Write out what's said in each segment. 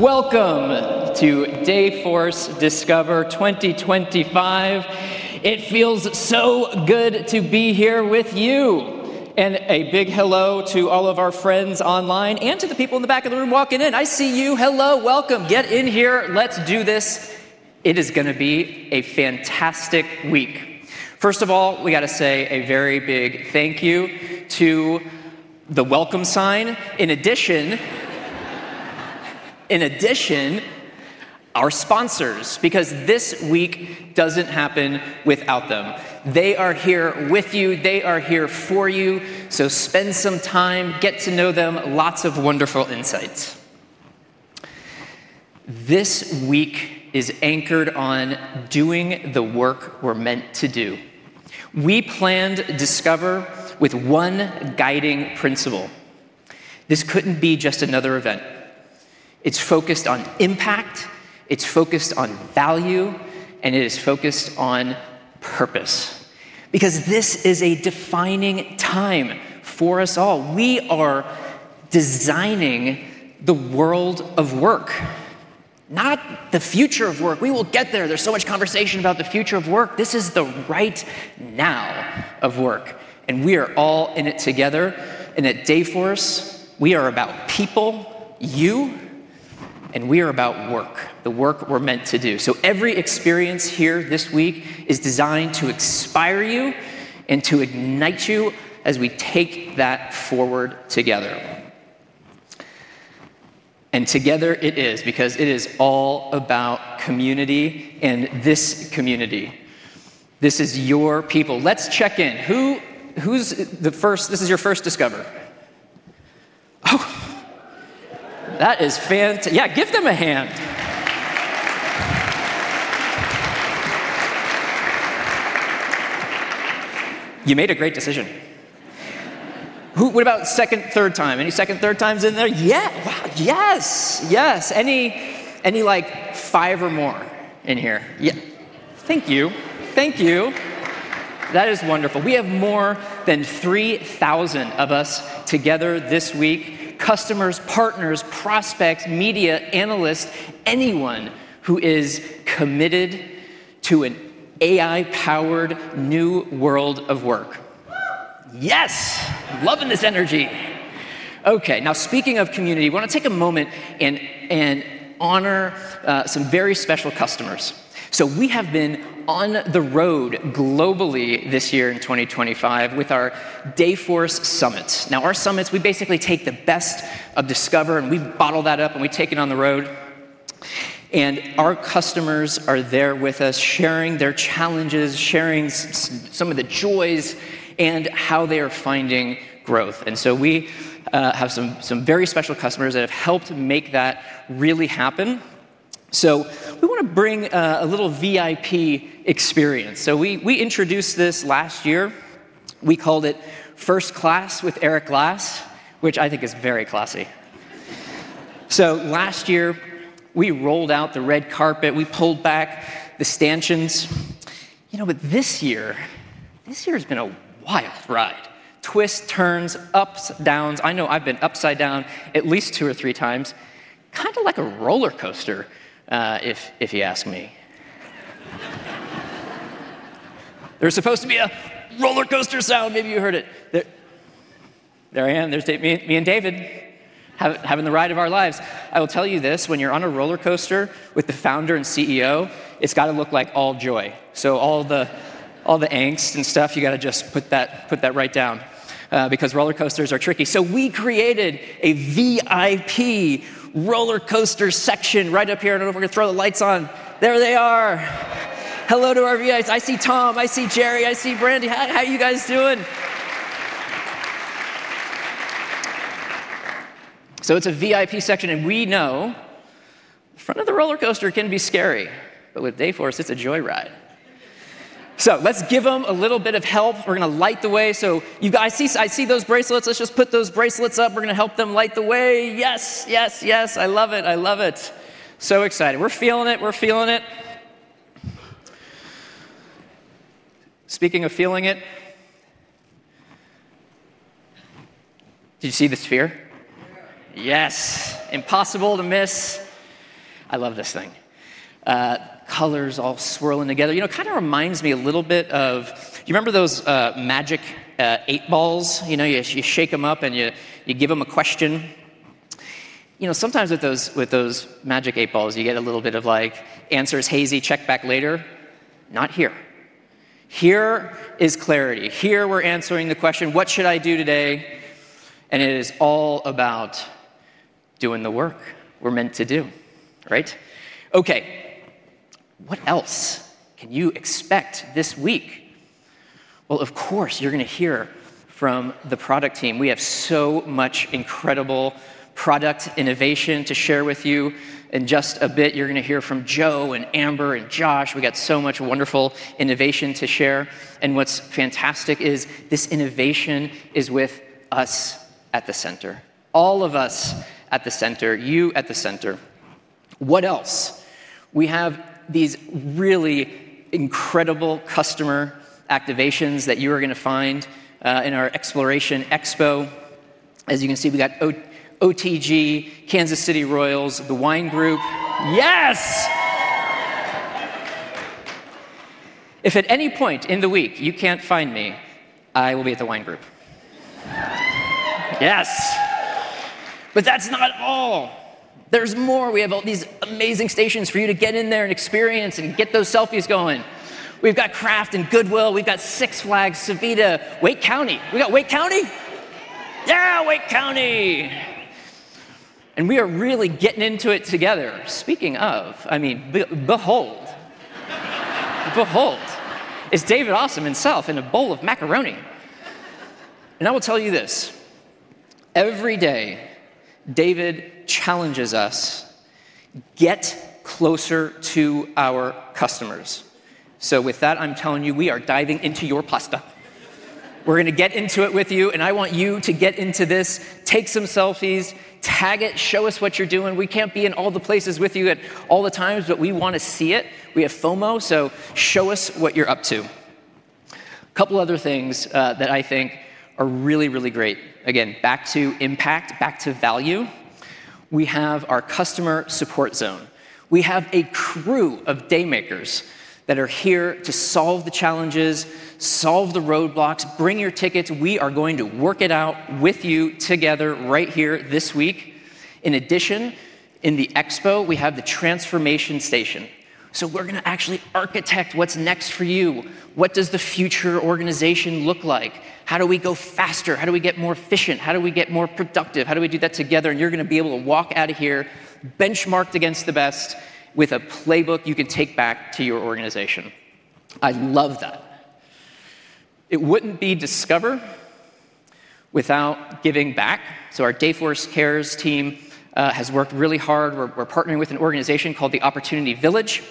Hello, hello, hello! Welcome to Dayforce Discover 2025. It feels so good to be here with you. A big hello to all of our friends online and to the people in the back of the room walking in. I see you. Hello, welcome. Get in here. Let's do this. It is going to be a fantastic week. First of all, we got to say a very big thank you to the welcome sign. In addition, our sponsors, because this week doesn't happen without them. They are here with you. They are here for you. Spend some time, get to know them. Lots of wonderful insights. This week is anchored on doing the work we're meant to do. We planned Discover with one guiding principle. This couldn't be just another event. It's focused on impact. It's focused on value. It is focused on purpose. This is a defining time for us all. We are designing the world of work. Not the future of work. We will get there. There's so much conversation about the future of work. This is the right now of work. We are all in it together. At Dayforce, we are about people, you, and we are about work, the work we're meant to do. Every experience here this week is designed to inspire you and to ignite you as we take that forward together. Together it is because it is all about community and this community. This is your people. Let's check in. Who's the first? This is your first Discover? Oh, that is fantastic. Yeah, give them a hand. You made a great decision. What about second, third time? Any second, third times in there? Yeah, wow. Yes, yes. Any, any like five or more in here. Yeah, thank you. Thank you. That is wonderful. We have more than 3,000 of us together this week. Customers, partners, prospects, media, analysts, anyone who is committed to an AI-powered new world of work. Yes, loving this energy. Now speaking of community, I want to take a moment and honor some very special customers. We have been on the road globally this year in 2025 with our Dayforce Summits. Our summits, we basically take the best of Discover and we bottle that up and we take it on the road. Our customers are there with us, sharing their challenges, sharing some of the joys, and how they are finding growth. We have some very special customers that have helped make that really happen. We want to bring a little VIP experience. We introduced this last year. We called it First Class with Eric Glass, which I think is very classy. Last year, we rolled out the red carpet. We pulled back the stanchions. You know, this year's been a wild ride. Twists, turns, ups, downs. I know I've been upside down at least 2 or 3x. Kind of like a roller coaster, if you ask me. There's supposed to be a roller coaster sound. Maybe you heard it. There I am. There's me and David having the ride of our lives. I will tell you this, when you're on a roller coaster with the Founder and CEO, it's got to look like all joy. All the angst and stuff, you got to just put that right down because roller coasters are tricky. We created a VIP roller coaster section right up here. I don't know if we're going to throw the lights on. There they are. Hello to our VIPs. I see Tom. I see Jerry. I see Brandy. How are you guys doing? It's a VIP section, and we know the front of the roller coaster can be scary, but with Dayforce, it's a joy ride. Let's give them a little bit of help. We're going to light the way. You guys, I see those bracelets. Let's just put those bracelets up. We're going to help them light the way. Yes, yes, yes. I love it. I love it. So excited. We're feeling it. We're feeling it. Speaking of feeling it, did you see the sphere? Yes. Impossible to miss. I love this thing. Colors all swirling together. You know, it kind of reminds me a little bit of, you remember those magic eight balls? You know, you shake them up and you give them a question. Sometimes with those magic eight balls, you get a little bit of like, answer's hazy, check back later. Not here. Here is clarity. Here we're answering the question, what should I do today? It is all about doing the work we're meant to do, right? What else can you expect this week? Of course, you're going to hear from the product team. We have so much incredible product innovation to share with you. In just a bit, you're going to hear from Joe and Amber and Josh. We got so much wonderful innovation to share. What's fantastic is this innovation is with us at the center. All of us at the center. You at the center. What else? We have these really incredible customer activations that you are going to find in our Exploration Expo. As you can see, we got OTG, Kansas City Royals, the Wine Group. Yes! If at any point in the week you can't find me, I will be at the Wine Group. Yes. That's not all. There's more. We have all these amazing stations for you to get in there and experience and get those selfies going. We've got Craft and Goodwill. We've got Six Flags, Sevita, Wake County. We got Wake County. Yeah, Wake County. We are really getting into it together. Speaking of, behold, it's David Ossip himself in a bowl of macaroni. I will tell you this. Every day, David challenges us. Get closer to our customers. With that, I'm telling you, we are diving into your pasta. We're going to get into it with you, and I want you to get into this. Take some selfies, tag it, show us what you're doing. We can't be in all the places with you at all the times, but we want to see it. We have FOMO, so show us what you're up to. A couple other things that I think are really, really great. Again, back to impact, back to value. We have our customer support zone. We have a crew of day makers that are here to solve the challenges, solve the roadblocks, bring your tickets. We are going to work it out with you together right here this week. In addition, in the Expo, we have the transformation station. We're going to actually architect what's next for you. What does the future organization look like? How do we go faster? How do we get more efficient? How do we get more productive? How do we do that together? You're going to be able to walk out of here benchmarked against the best with a playbook you can take back to your organization. I love that. It wouldn't be Discover without giving back. Our Dayforce Cares team has worked really hard. We're partnering with an organization called the Opportunity Village.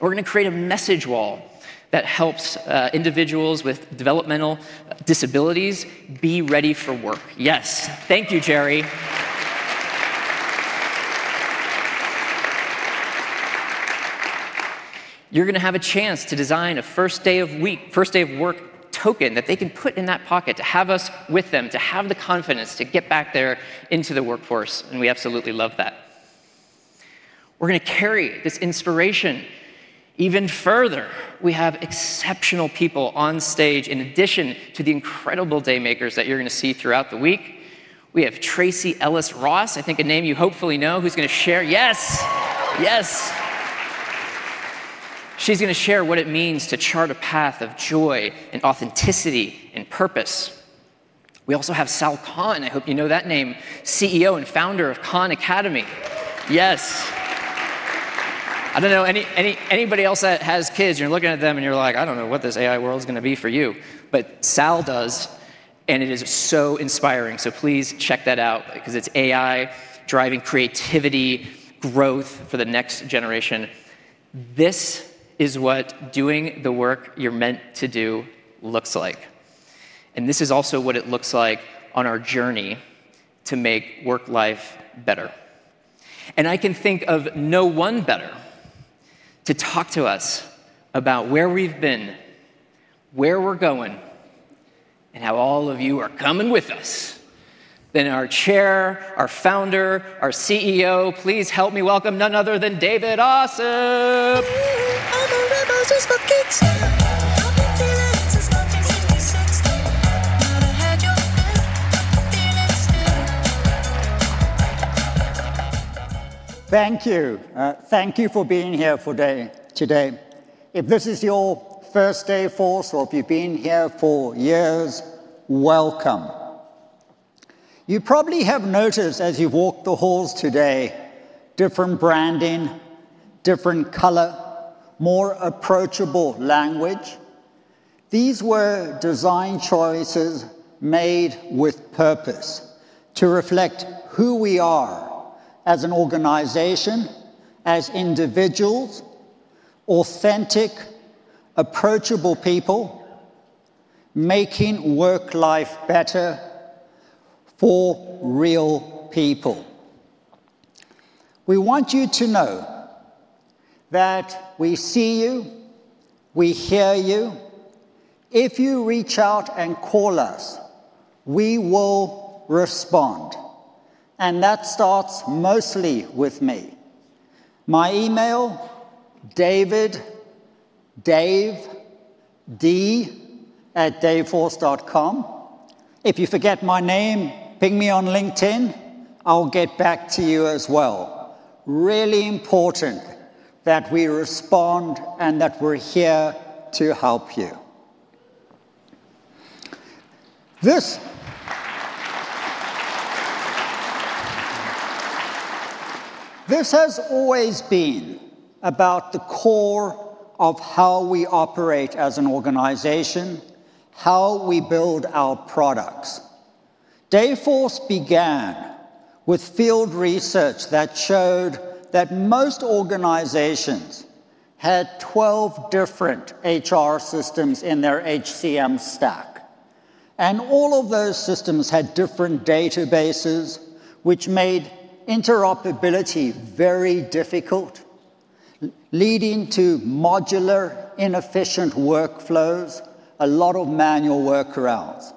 We're going to create a message wall that helps individuals with developmental disabilities be ready for work. Yes. Thank you, Jerry. You're going to have a chance to design a first day of work token that they can put in that pocket to have us with them, to have the confidence to get back there into the workforce. We absolutely love that. We're going to carry this inspiration even further. We have exceptional people on stage in addition to the incredible day makers that you're going to see throughout the week. We have Tracee Ellis Ross, I think a name you hopefully know, who's going to share. Yes. Yes. She's going to share what it means to chart a path of joy and authenticity and purpose. We also have Sal Khan. I hope you know that name, CEO and founder of Khan Academy. Yes. I don't know anybody else that has kids and you're looking at them and you're like, I don't know what this AI world is going to be for you. Sal does, and it is so inspiring. Please check that out because it's AI driving creativity, growth for the next generation. This is what doing the work you're meant to do looks like. This is also what it looks like on our journey to make work-life better. I can think of no one better to talk to us about where we've been, where we're going, and how all of you are coming with us than our Chair, our Founder, our CEO. Please help me welcome none other than David Ossip. Thank you. Thank you for being here today. If this is your first Dayforce or if you've been here for years, welcome. You probably have noticed as you walked the halls today, different branding, different color, more approachable language. These were design choices made with purpose to reflect who we are as an organization, as individuals, authentic, approachable people, making work-life better for real people. We want you to know that we see you, we hear you. If you reach out and call us, we will respond. That starts mostly with me. My email, david.d@dayforce.com. If you forget my name, ping me on LinkedIn. I'll get back to you as well. Really important that we respond and that we're here to help you. This has always been about the core of how we operate as an organization, how we build our products. Dayforce began with field research that showed that most organizations had 12 different HR systems in their HCM stack. All of those systems had different databases, which made interoperability very difficult, leading to modular, inefficient workflows, a lot of manual workarounds.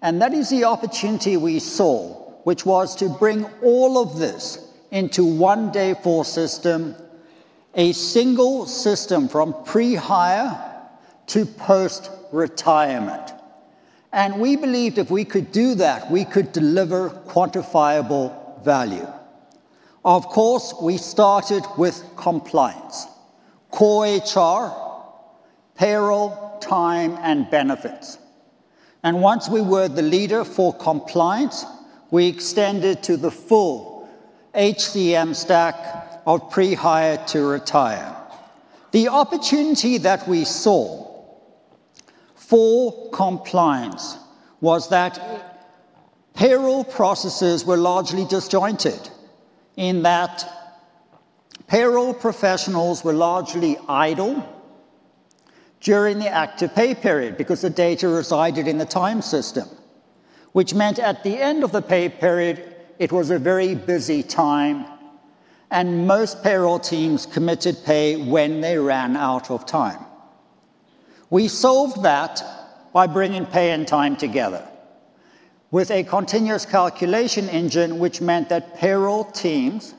That is the opportunity we saw, which was to bring all of this into one Dayforce system, a single system from pre-hire to post-retirement. We believed if we could do that, we could deliver quantifiable value. Of course, we started with compliance, core HR, payroll, time, and benefits. Once we were the leader for compliance, we extended to the full HCM stack of pre-hire to retire. The opportunity that we saw for compliance was that payroll processes were largely disjointed, in that payroll professionals were largely idle during the active pay period because the data resided in the time system, which meant at the end of the pay period, it was a very busy time, and most payroll teams committed pay when they ran out of time. We solved that by bringing pay and time together with a continuous calculation engine, which meant that payroll teams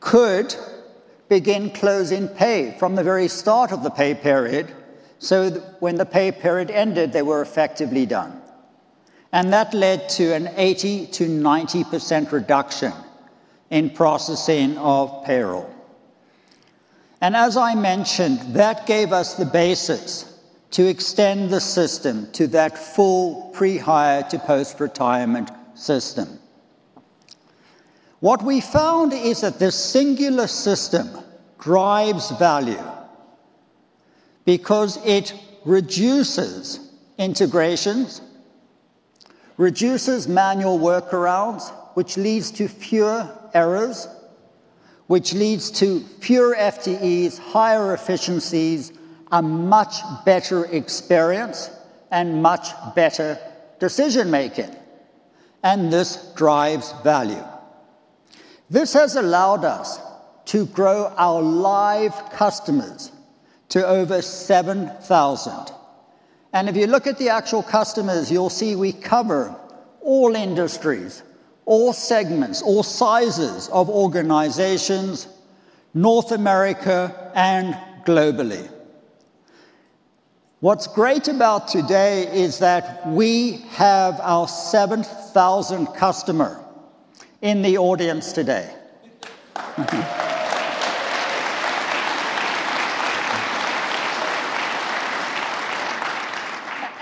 could begin closing pay from the very start of the pay period, so that when the pay period ended, they were effectively done. That led to an 80%-90% reduction in processing of payroll. As I mentioned, that gave us the basics to extend the system to that full pre-hire to post-retirement system. What we found is that this singular system drives value because it reduces integrations, reduces manual workarounds, which leads to fewer errors, which leads to fewer FTEs, higher efficiencies, a much better experience, and much better decision-making. This drives value. This has allowed us to grow our live customers to over 7,000. If you look at the actual customers, you'll see we cover all industries, all segments, all sizes of organizations, North America, and globally. What's great about today is that we have our 7,000th customer in the audience today.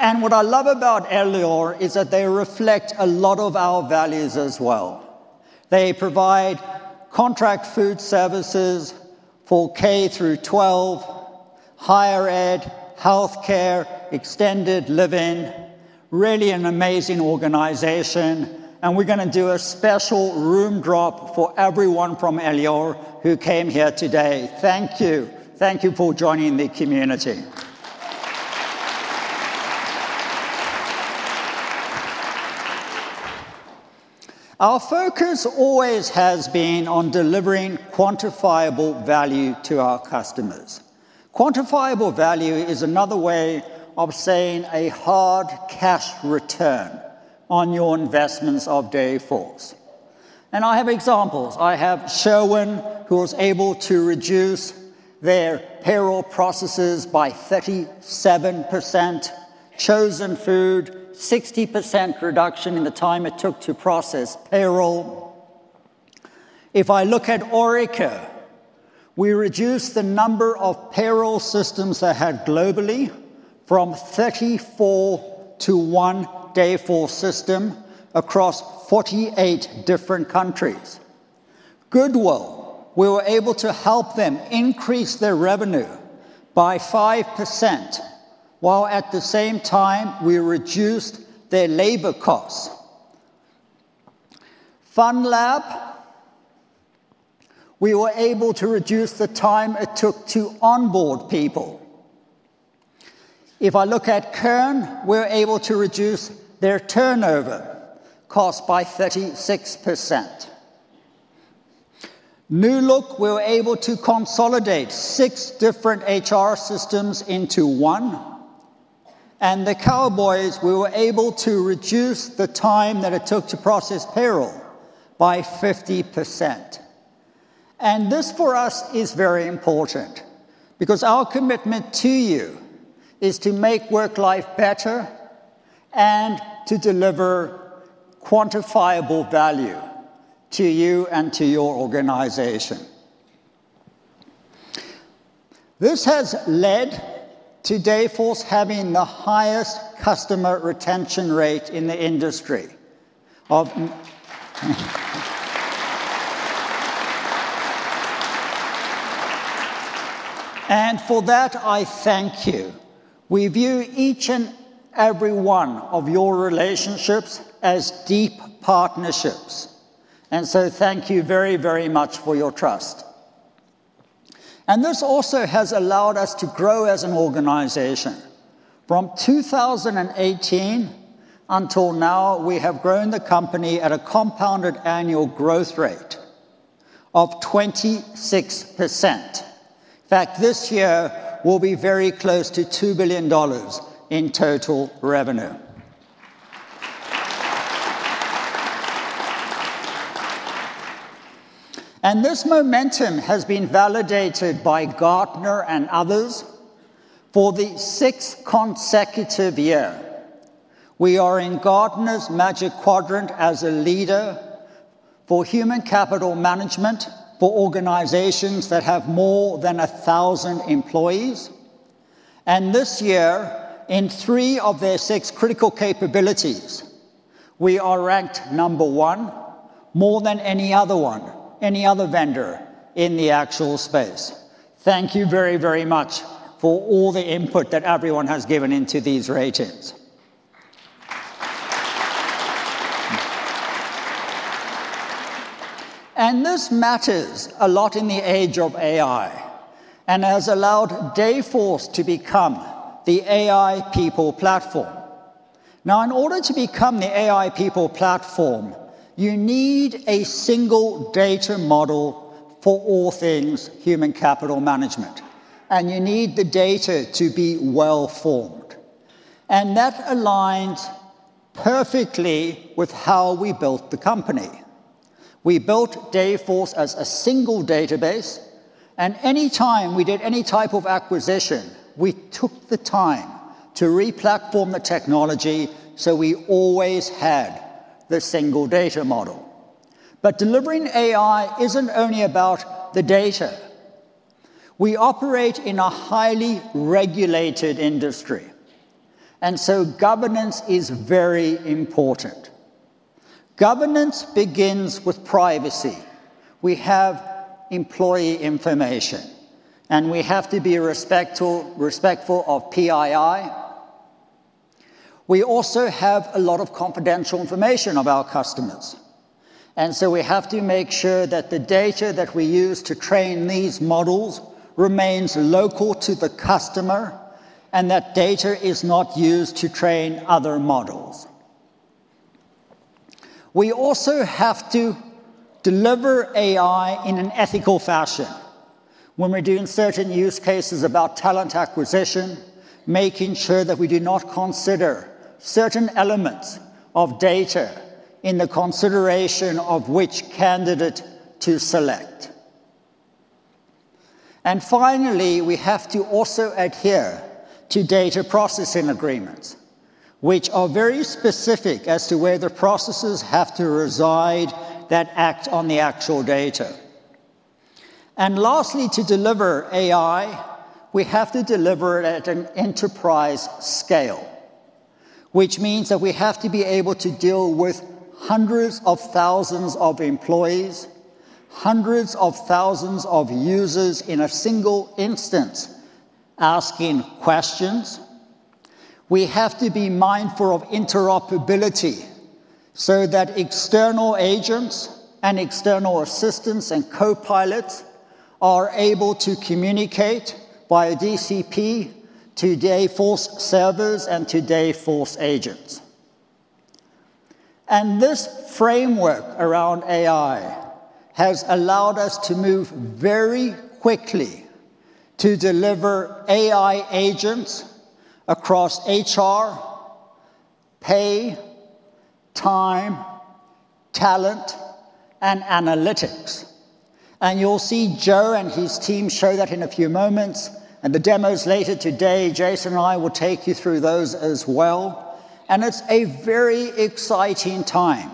What I love about Elior is that they reflect a lot of our values as well. They provide contract food services for K through 12, higher ed, healthcare, extended living, really an amazing organization. We're going to do a special room drop for everyone from Elior who came here today. Thank you. Thank you for joining the community. Our focus always has been on delivering quantifiable value to our customers. Quantifiable value is another way of saying a hard cash return on your investments of Dayforce. I have examples. I have Sherwin who was able to reduce their payroll processes by 37%, Chosen Foods, 60% reduction in the time it took to process payroll. If I look at Orica, we reduced the number of payroll systems they had globally from 34 to 1-Dayforce system across 48 different countries. Goodwill, we were able to help them increase their revenue by 5%, while at the same time, we reduced their labor costs. FunLab, we were able to reduce the time it took to onboard people. If I look at Kern, we were able to reduce their turnover cost by 36%. Moolook, we were able to consolidate six different HR systems into one. The Cowboys, we were able to reduce the time that it took to process payroll by 50%. This for us is very important because our commitment to you is to make work-life better and to deliver quantifiable value to you and to your organization. This has led to Dayforce having the highest customer retention rate in the industry. For that, I thank you. We view each and every one of your relationships as deep partnerships. Thank you very, very much for your trust. This also has allowed us to grow as an organization. From 2018 until now, we have grown the company at a compounded annual growth rate of 26%. In fact, this year we'll be very close to $2 billion in total revenue. This momentum has been validated by Gartner and others for the sixth consecutive year. We are in Gartner's Magic Quadrant as a leader for human capital management for organizations that have more than 1,000 employees. This year, in three of their six critical capabilities, we are ranked number one, more than any other vendor in the actual space. Thank you very, very much for all the input that everyone has given into these ratings. This matters a lot in the age of AI and has allowed Dayforce to become the AI People Platform. In order to become the AI People Platform, you need a single data model for all things human capital management. You need the data to be well-formed. That aligns perfectly with how we built the company. We built Dayforce as a single database. Anytime we did any type of acquisition, we took the time to re-platform the technology so we always had the single data model. Delivering AI is not only about the data. We operate in a highly regulated industry, so governance is very important. Governance begins with privacy. We have employee information, and we have to be respectful of PII. We also have a lot of confidential information of our customers, so we have to make sure that the data that we use to train these models remains local to the customer and that data is not used to train other models. We also have to deliver AI in an ethical fashion. When we're doing certain use cases about talent acquisition, we make sure that we do not consider certain elements of data in the consideration of which candidate to select. We have to also adhere to data processing agreements, which are very specific as to where the processes have to reside that act on the actual data. To deliver AI, we have to deliver it at an enterprise scale, which means that we have to be able to deal with hundreds of thousands of employees, hundreds of thousands of users in a single instance asking questions. We have to be mindful of interoperability so that external agents and external assistants and co-pilots are able to communicate via DCP to Dayforce servers and to Dayforce agents. This framework around AI has allowed us to move very quickly to deliver AI agents across HR, pay, time, talent, and analytics. You will see Joe and his team show that in a few moments. In the demos later today, Jason and I will take you through those as well. It is a very exciting time.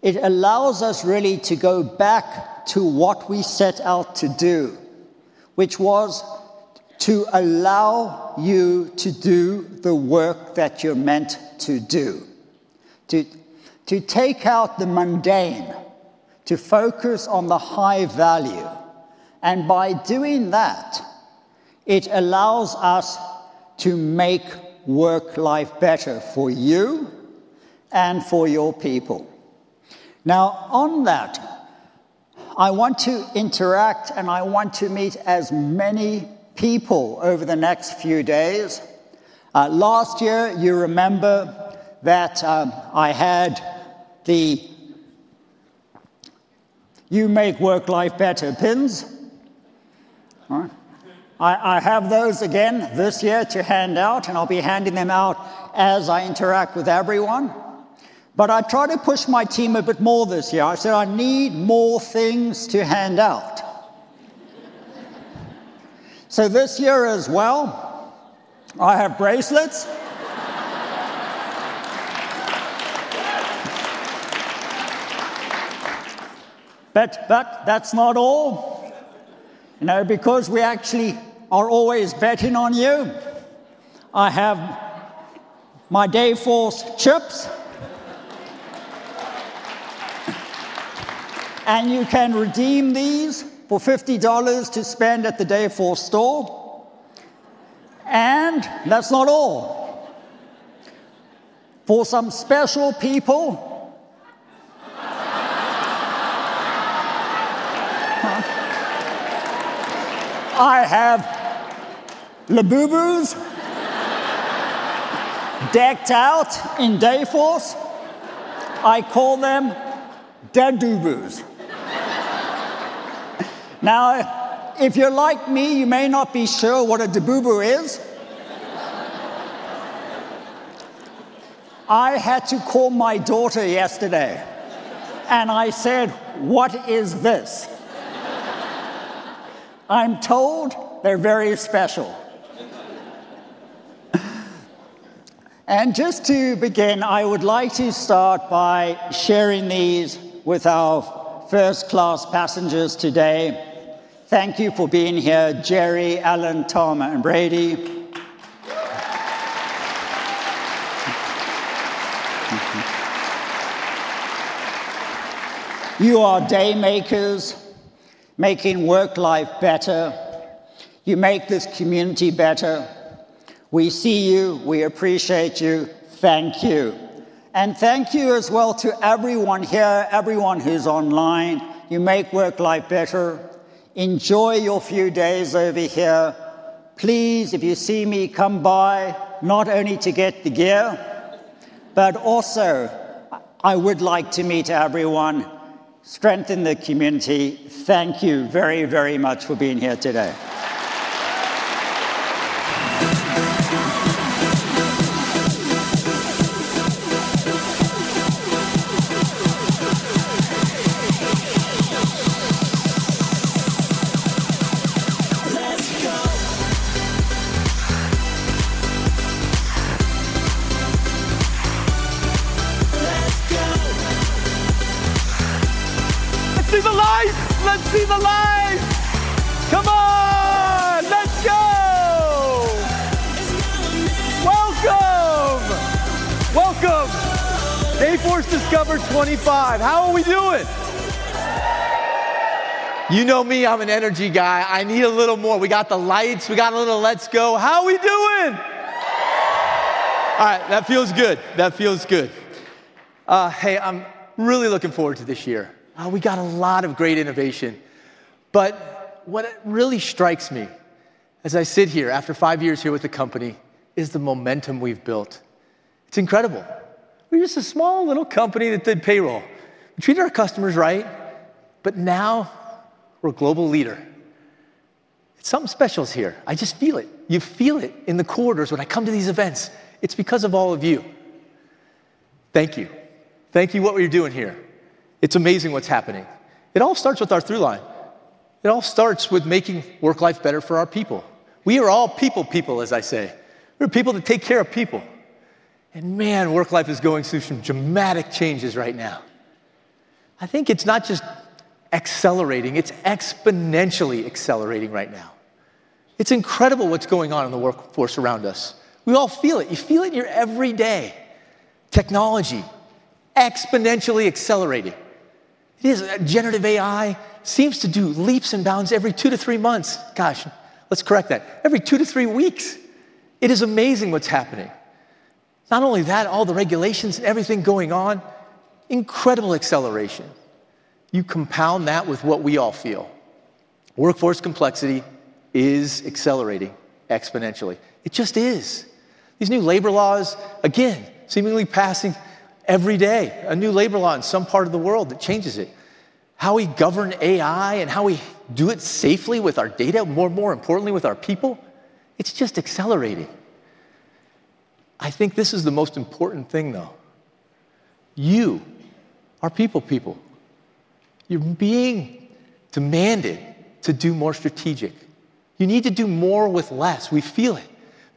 It allows us really to go back to what we set out to do, which was to allow you to do the work that you're meant to do, to take out the mundane, to focus on the high value. By doing that, it allows us to make work-life better for you and for your people. Now, on that, I want to interact and I want to meet as many people over the next few days. Last year, you remember that I had the "You Make Work-Life Better" pins. I have those again this year to hand out, and I'll be handing them out as I interact with everyone. I try to push my team a bit more this year. I said I need more things to hand out. This year as well, I have bracelets. That's not all. You know, because we actually are always betting on you, I have my Dayforce chips. You can redeem these for $50 to spend at the Dayforce store. That's not all. For some special people, I have Labubus decked out in Dayforce. I call them Dabubus. If you're like me, you may not be sure what a Dabubu is. I had to call my daughter yesterday, and I said, "What is this?" I'm told they're very special. Just to begin, I would like to start by sharing these with our first-class passengers today. Thank you for being here, Jerry, Allan, Tom, and Brady. You are day makers making work-life better. You make this community better. We see you. We appreciate you. Thank you. Thank you as well to everyone here, everyone who's online. You make work-life better. Enjoy your few days over here. Please, if you see me, come by not only to get the gear, but also I would like to meet everyone, strengthen the community. Thank you very, very much for being here today. Let's see the light! Let's see the light! Come on! Let's go! Welcome! Welcome! Dayforce Discover 25. How are we doing? You know me, I'm an energy guy. I need a little more. We got the lights. We got a little let's go. How are we doing? All right, that feels good. That feels good. Hey, I'm really looking forward to this year. We got a lot of great innovation. What really strikes me as I sit here after five years here with the company is the momentum we've built. It's incredible. We were just a small little company that did payroll. We treated our customers right, but now we're a global leader. Something special is here. I just feel it. You feel it in the corridors when I come to these events. It's because of all of you. Thank you. Thank you. What we're doing here, it's amazing what's happening. It all starts with our through line. It all starts with making work-life better for our people. We are all people, people, as I say. We're people that take care of people. Work-life is going through some dramatic changes right now. I think it's not just accelerating. It's exponentially accelerating right now. It's incredible what's going on in the workforce around us. We all feel it. You feel it in your everyday. Technology exponentially accelerating. It is generative AI. It seems to do leaps and bounds every two to three months. Let's correct that. Every two to three weeks. It is amazing what's happening. Not only that, all the regulations and everything going on, incredible acceleration. You compound that with what we all feel. Workforce complexity is accelerating exponentially. It just is. These new labor laws, again, seemingly passing every day, a new labor law in some part of the world that changes it. How we govern AI and how we do it safely with our data, more and more importantly with our people, it's just accelerating. I think this is the most important thing, though. You are people, people. You're being demanded to do more strategic. You need to do more with less. We feel it.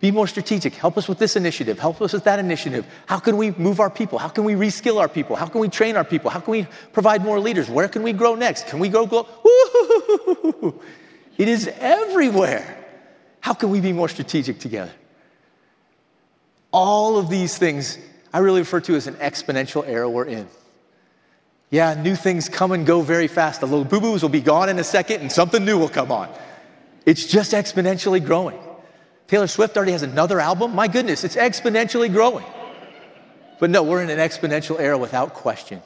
Be more strategic. Help us with this initiative. Help us with that initiative. How can we move our people? How can we reskill our people? How can we train our people? How can we provide more leaders? Where can we grow next? Can we grow? It is everywhere. How can we be more strategic together? All of these things I really refer to as an exponential era we're in. Yeah, new things come and go very fast. The little boo-boos will be gone in a second, and something new will come on. It's just exponentially growing. Taylor Swift already has another album. My goodness, it's exponentially growing. We're in an exponential era without question.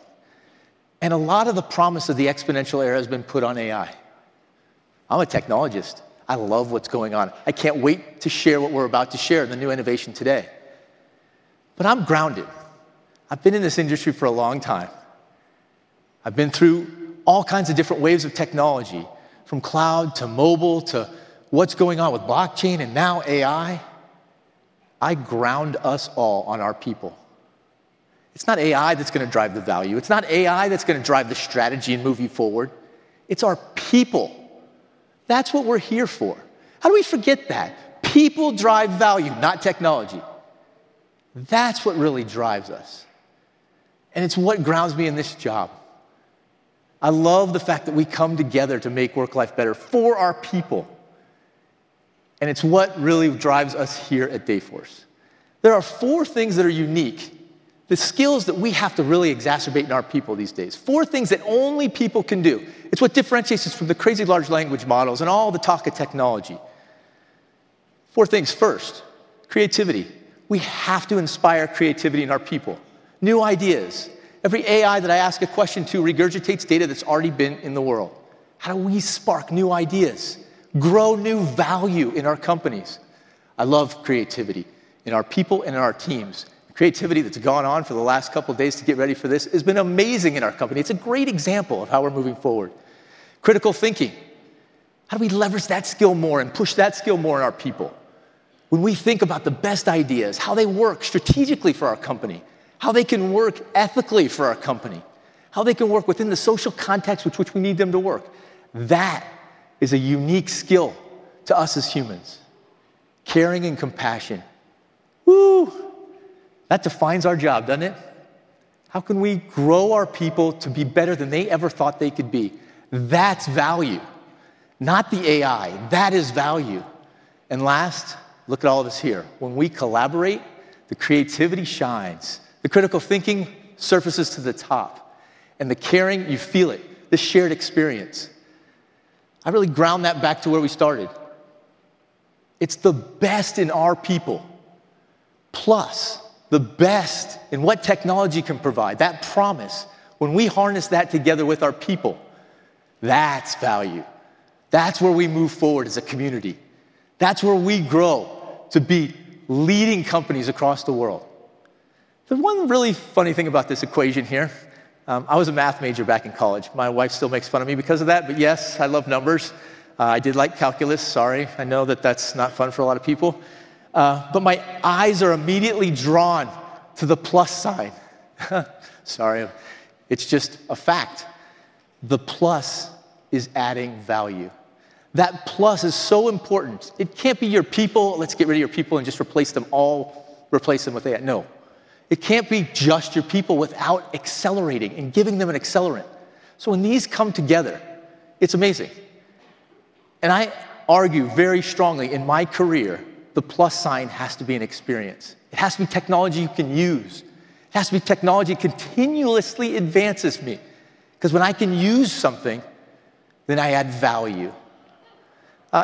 A lot of the promise of the exponential era has been put on AI. I'm a technologist. I love what's going on. I can't wait to share what we're about to share in the new innovation today. I'm grounded. I've been in this industry for a long time. I've been through all kinds of different waves of technology, from cloud to mobile to what's going on with blockchain and now AI. I ground us all on our people. It's not AI that's going to drive the value. It's not AI that's going to drive the strategy and move you forward. It's our people. That's what we're here for. How do we forget that? People drive value, not technology. That's what really drives us. It's what grounds me in this job. I love the fact that we come together to make work-life better for our people. It's what really drives us here at Dayforce. There are four things that are unique, the skills that we have to really exacerbate in our people these days, four things that only people can do. It differentiates us from the crazy large language models and all the talk of technology. Four things. First, creativity. We have to inspire creativity in our people. New ideas. Every AI that I ask a question to regurgitates data that's already been in the world. How do we spark new ideas, grow new value in our companies? I love creativity in our people and in our teams. Creativity that's gone on for the last couple of days to get ready for this has been amazing in our company. It's a great example of how we're moving forward. Critical thinking. How do we leverage that skill more and push that skill more in our people? When we think about the best ideas, how they work strategically for our company, how they can work ethically for our company, how they can work within the social context with which we need them to work, that is a unique skill to us as humans. Caring and compassion. Whoo! That defines our job, doesn't it? How can we grow our people to be better than they ever thought they could be? That's value, not the AI. That is value. Last, look at all of us here. When we collaborate, the creativity shines. The critical thinking surfaces to the top. The caring, you feel it. The shared experience. I really ground that back to where we started. It's the best in our people, plus the best in what technology can provide, that promise. When we harness that together with our people, that's value. That's where we move forward as a community. That's where we grow to be leading companies across the world. There's one really funny thing about this equation here. I was a math major back in college. My wife still makes fun of me because of that. Yes, I love numbers. I did like calculus. Sorry. I know that that's not fun for a lot of people. My eyes are immediately drawn to the plus sign. Sorry. It's just a fact. The plus is adding value. That plus is so important. It can't be your people. Let's get rid of your people and just replace them all, replace them with AI. No. It can't be just your people without accelerating and giving them an accelerant. When these come together, it's amazing. I argue very strongly in my career, the plus sign has to be an experience. It has to be technology you can use. It has to be technology that continuously advances me. Because when I can use something, then I add value.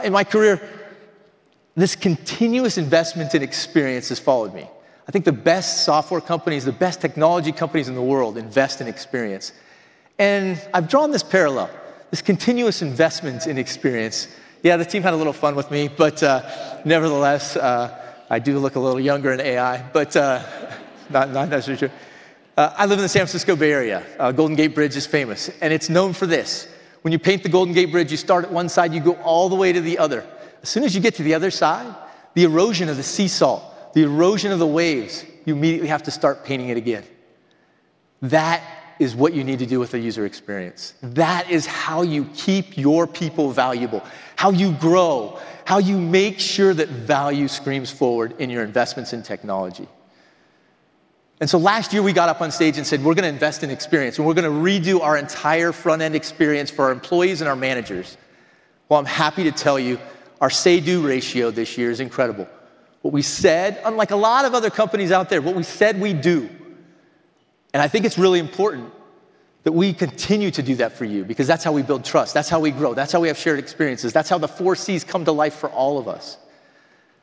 In my career, this continuous investment in experience has followed me. I think the best software companies, the best technology companies in the world invest in experience. I've drawn this parallel, this continuous investment in experience. Yeah, the team had a little fun with me, but nevertheless, I do look a little younger in AI, but not necessarily sure. I live in the San Francisco Bay Area. Golden Gate Bridge is famous, and it's known for this. When you paint the Golden Gate Bridge, you start at one side, you go all the way to the other. As soon as you get to the other side, the erosion of the sea salt, the erosion of the waves, you immediately have to start painting it again. That is what you need to do with a user experience. That is how you keep your people valuable, how you grow, how you make sure that value screams forward in your investments in technology. Last year, we got up on stage and said, we're going to invest in experience, and we're going to redo our entire front-end experience for our employees and our managers. I'm happy to tell you, our say-do ratio this year is incredible. What we said, unlike a lot of other companies out there, what we said we do. I think it's really important that we continue to do that for you because that's how we build trust. That's how we grow. That's how we have shared experiences. That's how the four Cs come to life for all of us.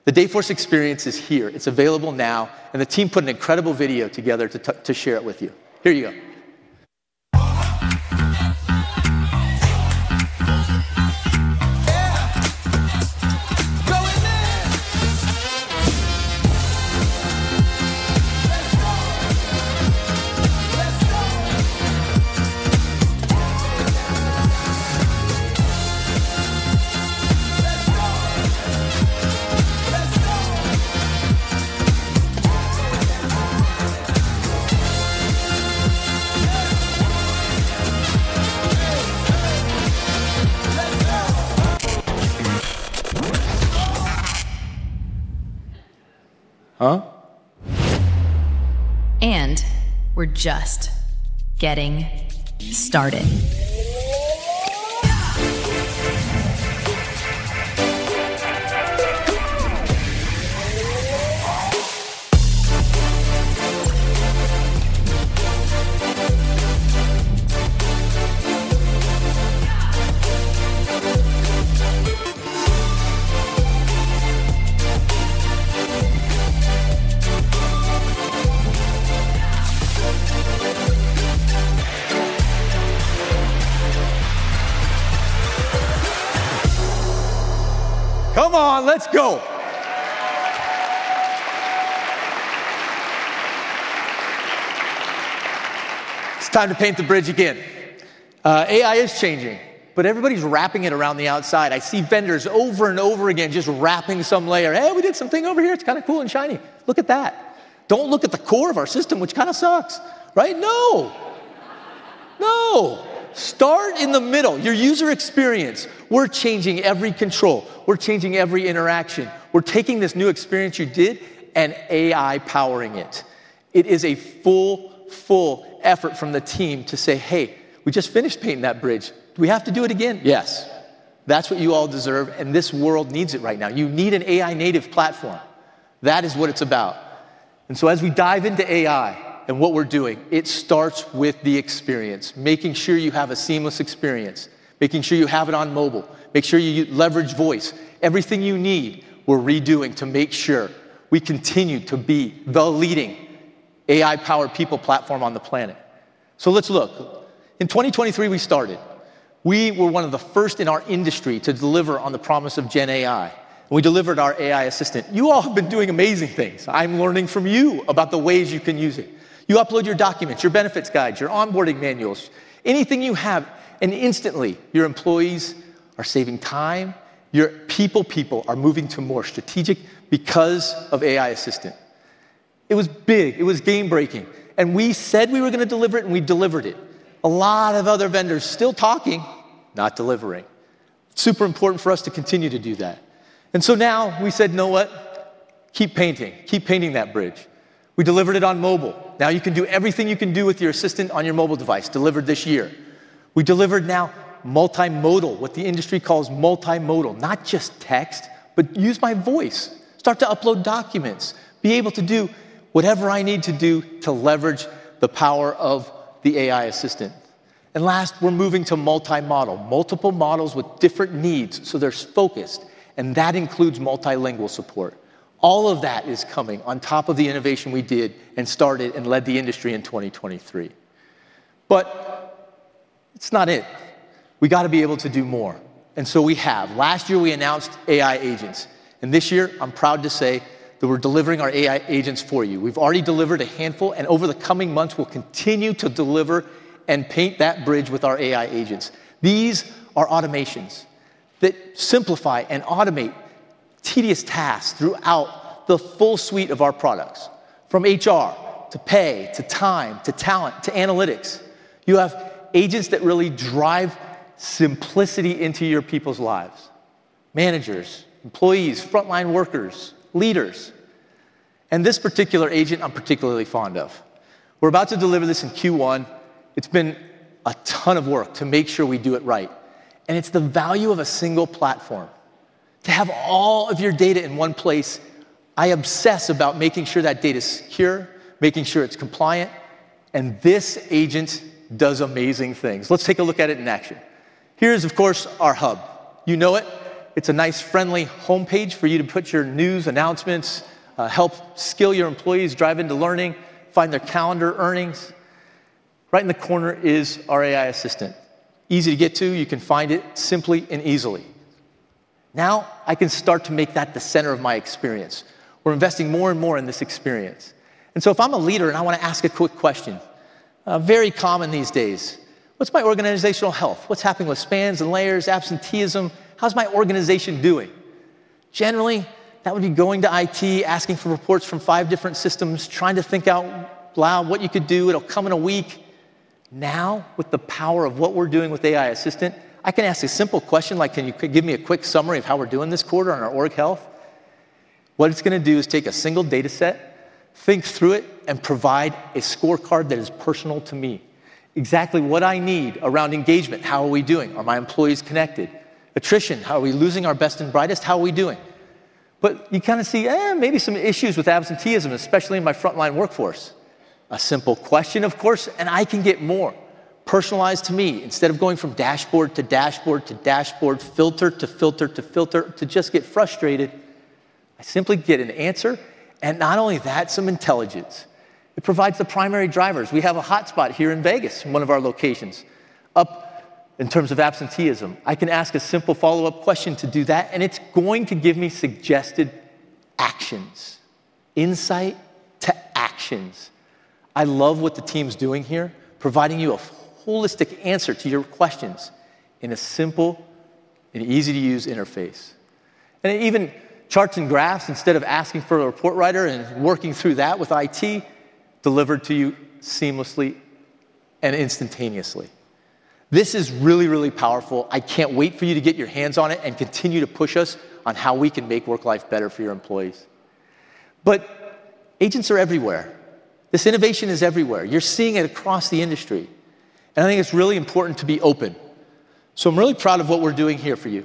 The Dayforce experience is here. It's available now, and the team put an incredible video together to share it with you. Here you go. Huh? We're just getting started. Come on, let's go. It's time to paint the bridge again. AI is changing, but everybody's wrapping it around the outside. I see vendors over and over again just wrapping some layer. Hey, we did something over here. It's kind of cool and shiny. Look at that. Don't look at the core of our system, which kind of sucks, right? No, no. Start in the middle, your user experience. We're changing every control. We're changing every interaction. We're taking this new experience you did and AI powering it. It is a full, full effort from the team to say, hey, we just finished painting that bridge. We have to do it again. Yes, that's what you all deserve, and this world needs it right now. You need an AI-native platform. That is what it's about. As we dive into AI and what we're doing, it starts with the experience, making sure you have a seamless experience, making sure you have it on mobile, make sure you leverage voice, everything you need. We're redoing to make sure we continue to be the leading AI-powered people platform on the planet. Let's look. In 2023, we started. We were one of the first in our industry to deliver on the promise of GenAI. We delivered our AI assistant. You all have been doing amazing things. I'm learning from you about the ways you can use it. You upload your documents, your benefits guides, your onboarding manuals, anything you have, and instantly your employees are saving time. Your people, people are moving to more strategic because of AI assistant. It was big. It was game-breaking. We said we were going to deliver it, and we delivered it. A lot of other vendors still talking, not delivering. It's super important for us to continue to do that. Now we said, you know what? Keep painting. Keep painting that bridge. We delivered it on mobile. Now you can do everything you can do with your assistant on your mobile device, delivered this year. We delivered now multimodal, what the industry calls multimodal, not just text, but use my voice, start to upload documents, be able to do whatever I need to do to leverage the power of the AI assistant. Last, we're moving to multimodal, multiple models with different needs, so they're focused, and that includes multilingual support. All of that is coming on top of the innovation we did and started and led the industry in 2023. It's not it. We got to be able to do more. Last year we announced AI agents, and this year I'm proud to say that we're delivering our AI agents for you. We've already delivered a handful, and over the coming months, we'll continue to deliver and paint that bridge with our AI agents. These are automations that simplify and automate tedious tasks throughout the full suite of our products, from HR to pay to time to talent to analytics. You have agents that really drive simplicity into your people's lives: managers, employees, frontline workers, leaders. This particular agent I'm particularly fond of. We're about to deliver this in Q1. It's been a ton of work to make sure we do it right. It's the value of a single platform. To have all of your data in one place, I obsess about making sure that data is secure, making sure it's compliant, and this agent does amazing things. Let's take a look at it in action. Here's, of course, our hub. You know it. It's a nice, friendly homepage for you to put your news announcements, help skill your employees, drive into learning, find their calendar earnings. Right in the corner is our AI assistant. Easy to get to. You can find it simply and easily. Now I can start to make that the center of my experience. We're investing more and more in this experience. If I'm a leader and I want to ask a quick question, very common these days, what's my organizational health? What's happening with spans and layers, absenteeism? How's my organization doing? Generally, that would be going to IT, asking for reports from five different systems, trying to think out loud what you could do. It'll come in a week. Now, with the power of what we're doing with AI assistant, I can ask a simple question like, can you give me a quick summary of how we're doing this quarter on our org health? What it's going to do is take a single data set, think through it, and provide a scorecard that is personal to me. Exactly what I need around engagement. How are we doing? Are my employees connected? Attrition. How are we losing our best and brightest? How are we doing? You kind of see, maybe some issues with absenteeism, especially in my frontline workforce. A simple question, of course, and I can get more personalized to me. Instead of going from dashboard to dashboard to dashboard, filter to filter to filter, to just get frustrated, I simply get an answer. Not only that, some intelligence. It provides the primary drivers. We have a hotspot here in Vegas, one of our locations. Up in terms of absenteeism, I can ask a simple follow-up question to do that, and it's going to give me suggested actions, insight to actions. I love what the team's doing here, providing you a holistic answer to your questions in a simple and easy-to-use interface. Even charts and graphs, instead of asking for a report writer and working through that with IT, delivered to you seamlessly and instantaneously. This is really, really powerful. I can't wait for you to get your hands on it and continue to push us on how we can make work-life better for your employees. Agents are everywhere. This innovation is everywhere. You're seeing it across the industry. I think it's really important to be open. I'm really proud of what we're doing here for you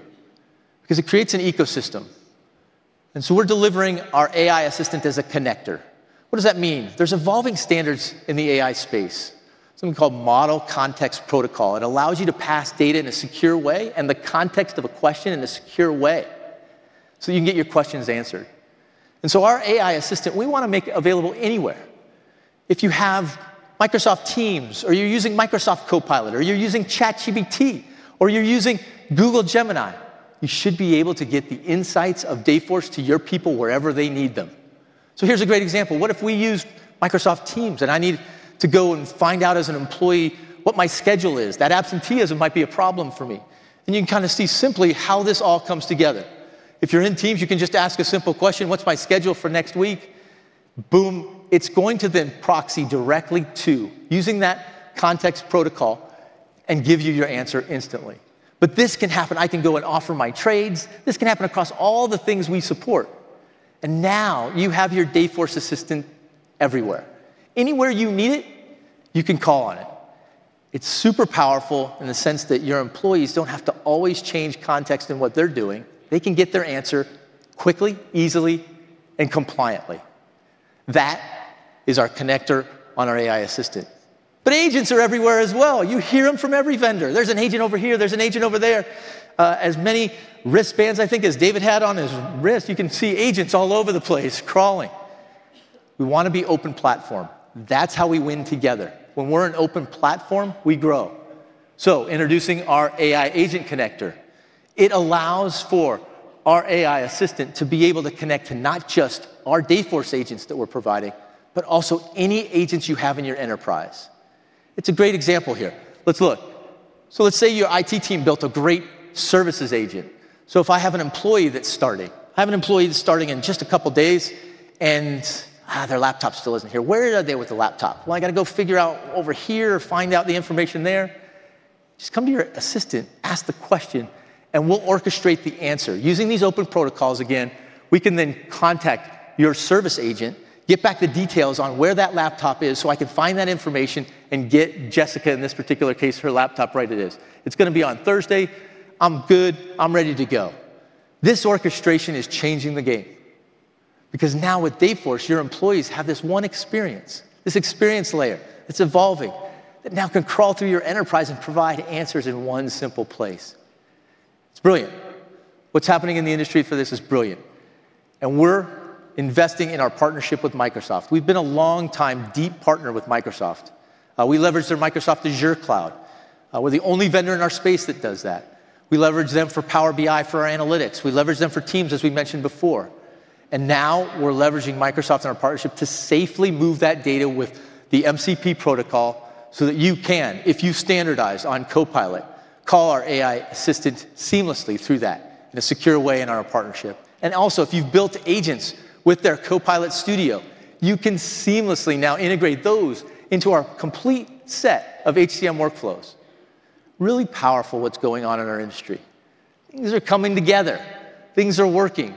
because it creates an ecosystem. We're delivering our AI assistant as a connector. What does that mean? There are evolving standards in the AI space, something called Model Context Protocol. It allows you to pass data in a secure way and the context of a question in a secure way so you can get your questions answered. Our AI assistant, we want to make it available anywhere. If you have Microsoft Teams or you're using Microsoft Copilot or you're using ChatGPT or you're using Google Gemini, you should be able to get the insights of Dayforce to your people wherever they need them. Here's a great example. What if we used Microsoft Teams and I need to go and find out as an employee what my schedule is? That absenteeism might be a problem for me. You can kind of see simply how this all comes together. If you're in Teams, you can just ask a simple question, what's my schedule for next week? Boom, it's going to then proxy directly to using that context protocol and give you your answer instantly. This can happen. I can go and offer my trades. This can happen across all the things we support. Now you have your Dayforce assistant everywhere. Anywhere you need it, you can call on it. It's super powerful in the sense that your employees don't have to always change context in what they're doing. They can get their answer quickly, easily, and compliantly. That is our connector on our AI assistant. Agents are everywhere as well. You hear them from every vendor. There's an agent over here. There's an agent over there. As many wristbands, I think, as David had on his wrist, you can see agents all over the place crawling. We want to be open platform. That's how we win together. When we're an open platform, we grow. Introducing our AI agent connector, it allows for our AI assistant to be able to connect to not just our Dayforce agents that we're providing, but also any agents you have in your enterprise. It's a great example here. Let's look. Let's say your IT team built a great services agent. If I have an employee that's starting, I have an employee that's starting in just a couple of days and their laptop still isn't here. Where are they with the laptop? I got to go figure out over here or find out the information there. Just come to your assistant, ask the question, and we'll orchestrate the answer. Using these open protocols, we can then contact your service agent, get back the details on where that laptop is so I can find that information and get Jessica, in this particular case, her laptop right at his. It's going to be on Thursday. I'm good. I'm ready to go. This orchestration is changing the game because now with Dayforce, your employees have this one experience, this experience layer that's evolving that now can crawl through your enterprise and provide answers in one simple place. It's brilliant. What's happening in the industry for this is brilliant. We are investing in our partnership with Microsoft. We've been a long-time deep partner with Microsoft. We leverage their Microsoft Azure Cloud. We're the only vendor in our space that does that. We leverage them for Power BI for our analytics. We leverage them for Teams, as we mentioned before. Now we're leveraging Microsoft in our partnership to safely move that data with the MCP protocol so that you can, if you standardize on Copilot, call our AI assistant seamlessly through that in a secure way in our partnership. Also, if you've built agents with their Copilot Studio, you can seamlessly now integrate those into our complete set of HCM workflows. Really powerful what's going on in our industry. Things are coming together. Things are working.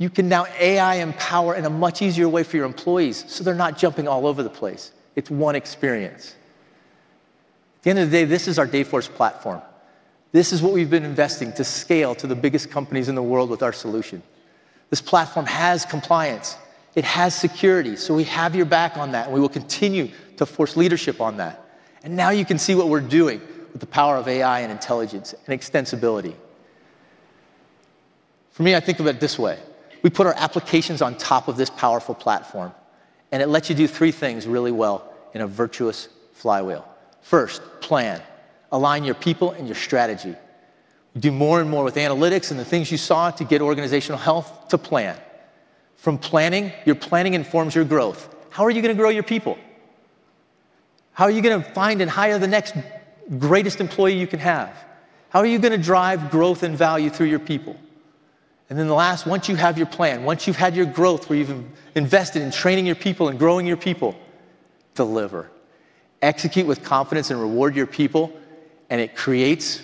You can now AI empower in a much easier way for your employees so they're not jumping all over the place. It's one experience. At the end of the day, this is our Dayforce platform. This is what we've been investing to scale to the biggest companies in the world with our solution. This platform has compliance. It has security. We have your back on that, and we will continue to force leadership on that. Now you can see what we're doing with the power of AI and intelligence and extensibility. For me, I think of it this way. We put our applications on top of this powerful platform, and it lets you do three things really well in a virtuous flywheel. First, plan. Align your people and your strategy. We do more and more with analytics and the things you saw to get organizational health to plan. From planning, your planning informs your growth. How are you going to grow your people? How are you going to find and hire the next greatest employee you can have? How are you going to drive growth and value through your people? Once you have your plan, once you've had your growth where you've invested in training your people and growing your people, deliver. Execute with confidence and reward your people, and it creates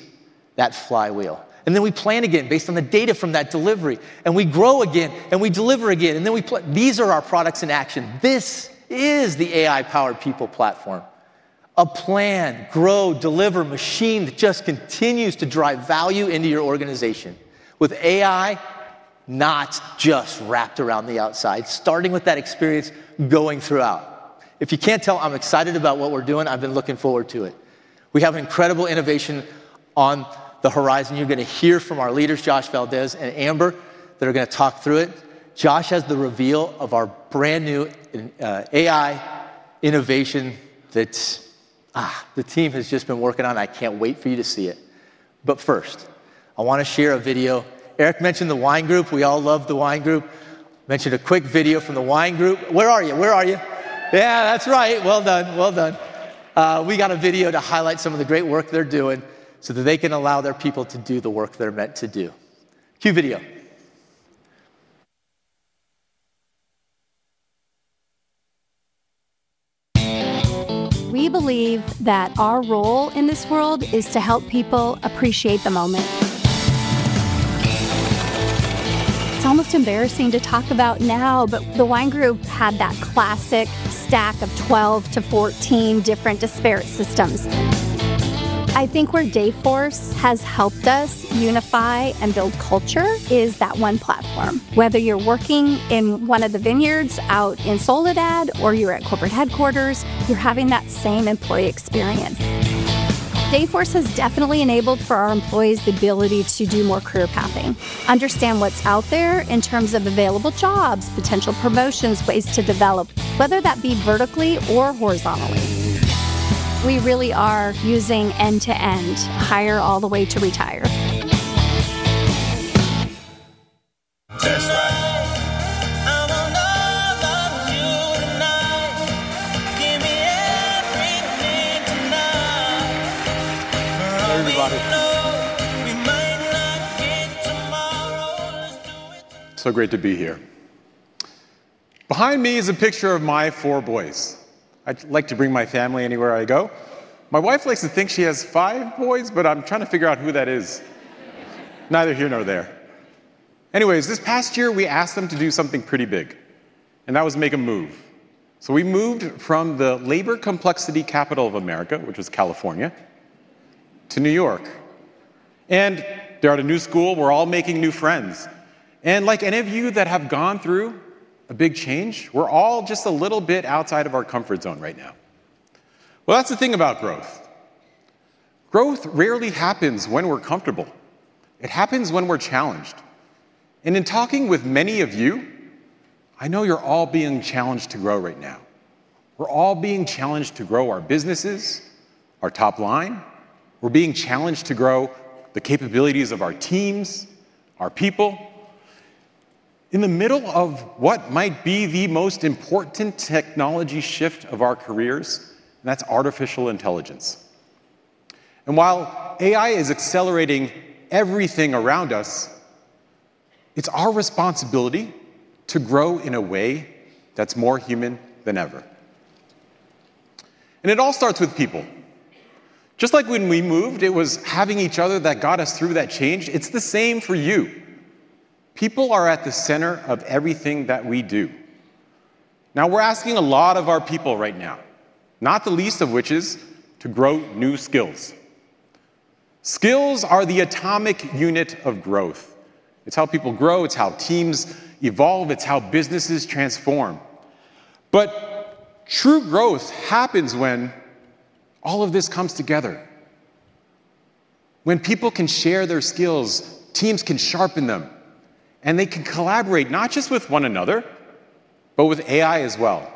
that flywheel. We plan again based on the data from that delivery, we grow again, and we deliver again. We put these, our products, in action. This is the AI-powered people platform, a plan, grow, deliver machine that just continues to drive value into your organization with AI not just wrapped around the outside, starting with that experience going throughout. If you can't tell, I'm excited about what we're doing. I've been looking forward to it. We have an incredible innovation on the horizon. You're going to hear from our leaders, Josh Valdez and Amber, that are going to talk through it. Josh has the reveal of our brand new AI innovation that the team has just been working on. I can't wait for you to see it. First, I want to share a video. Eric mentioned the Wine Group. We all love the Wine Group. Mentioned a quick video from the Wine Group. Where are you? Where are you? Yeah, that's right. Well done. Well done. We got a video to highlight some of the great work they're doing so that they can allow their people to do the work they're meant to do. Cue video. We believe that our role in this world is to help people appreciate the moment. It's almost embarrassing to talk about now, but the Wine Group had that classic stack of 12 to 14 different disparate systems. I think where Dayforce has helped us unify and build culture is that one platform. Whether you're working in one of the vineyards out in Soledad or you're at corporate headquarters, you're having that same employee experience. Dayforce has definitely enabled for our employees the ability to do more career pathing, understand what's out there in terms of available jobs, potential promotions, ways to develop, whether that be vertically or horizontally. We really are using end-to-end, hire all the way to retire. So great to be here. Behind me is a picture of my four boys. I like to bring my family anywhere I go. My wife likes to think she has five boys, but I'm trying to figure out who that is. Neither here nor there. Anyways, this past year we asked them to do something pretty big, and that was make a move. We moved from the labor complexity capital of America, which was California, to New York. They're at a new school. We're all making new friends. Like any of you that have gone through a big change, we're all just a little bit outside of our comfort zone right now. That's the thing about growth. Growth rarely happens when we're comfortable. It happens when we're challenged. In talking with many of you, I know you're all being challenged to grow right now. We're all being challenged to grow our businesses, our top line. We're being challenged to grow the capabilities of our teams, our people. In the middle of what might be the most important technology shift of our careers, that's artificial intelligence. While AI is accelerating everything around us, it's our responsibility to grow in a way that's more human than ever. It all starts with people. Just like when we moved, it was having each other that got us through that change. It's the same for you. People are at the center of everything that we do. Now we're asking a lot of our people right now, not the least of which is to grow new skills. Skills are the atomic unit of growth. It's how people grow. It's how teams evolve. It's how businesses transform. True growth happens when all of this comes together. When people can share their skills, teams can sharpen them, and they can collaborate not just with one another, but with AI as well.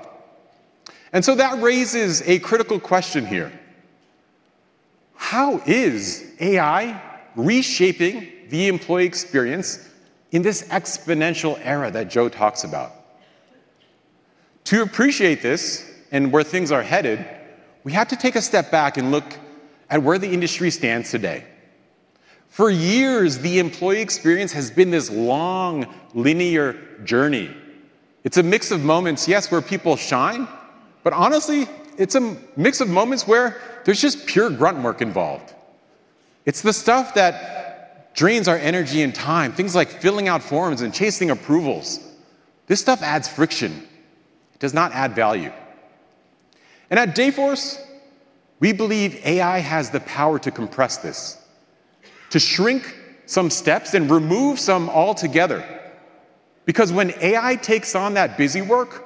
That raises a critical question here. How is AI reshaping the employee experience in this exponential era that Joe talks about? To appreciate this and where things are headed, we have to take a step back and look at where the industry stands today. For years, the employee experience has been this long, linear journey. It's a mix of moments, yes, where people shine, but honestly, it's a mix of moments where there's just pure grunt work involved. It's the stuff that drains our energy and time, things like filling out forms and chasing approvals. This stuff adds friction. It does not add value. At Dayforce, we believe AI has the power to compress this, to shrink some steps and remove some altogether. Because when AI takes on that busy work,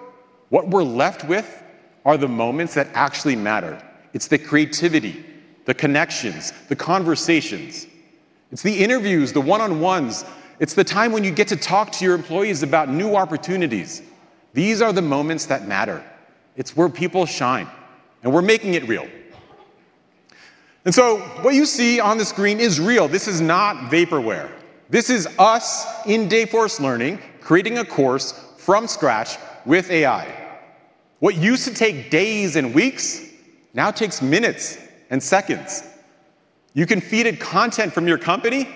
what we're left with are the moments that actually matter. It's the creativity, the connections, the conversations. It's the interviews, the one-on-ones. It's the time when you get to talk to your employees about new opportunities. These are the moments that matter. It's where people shine, and we're making it real. What you see on the screen is real. This is not vaporware. This is us in Dayforce Learning creating a course from scratch with AI. What used to take days and weeks now takes minutes and seconds. You can feed it content from your company,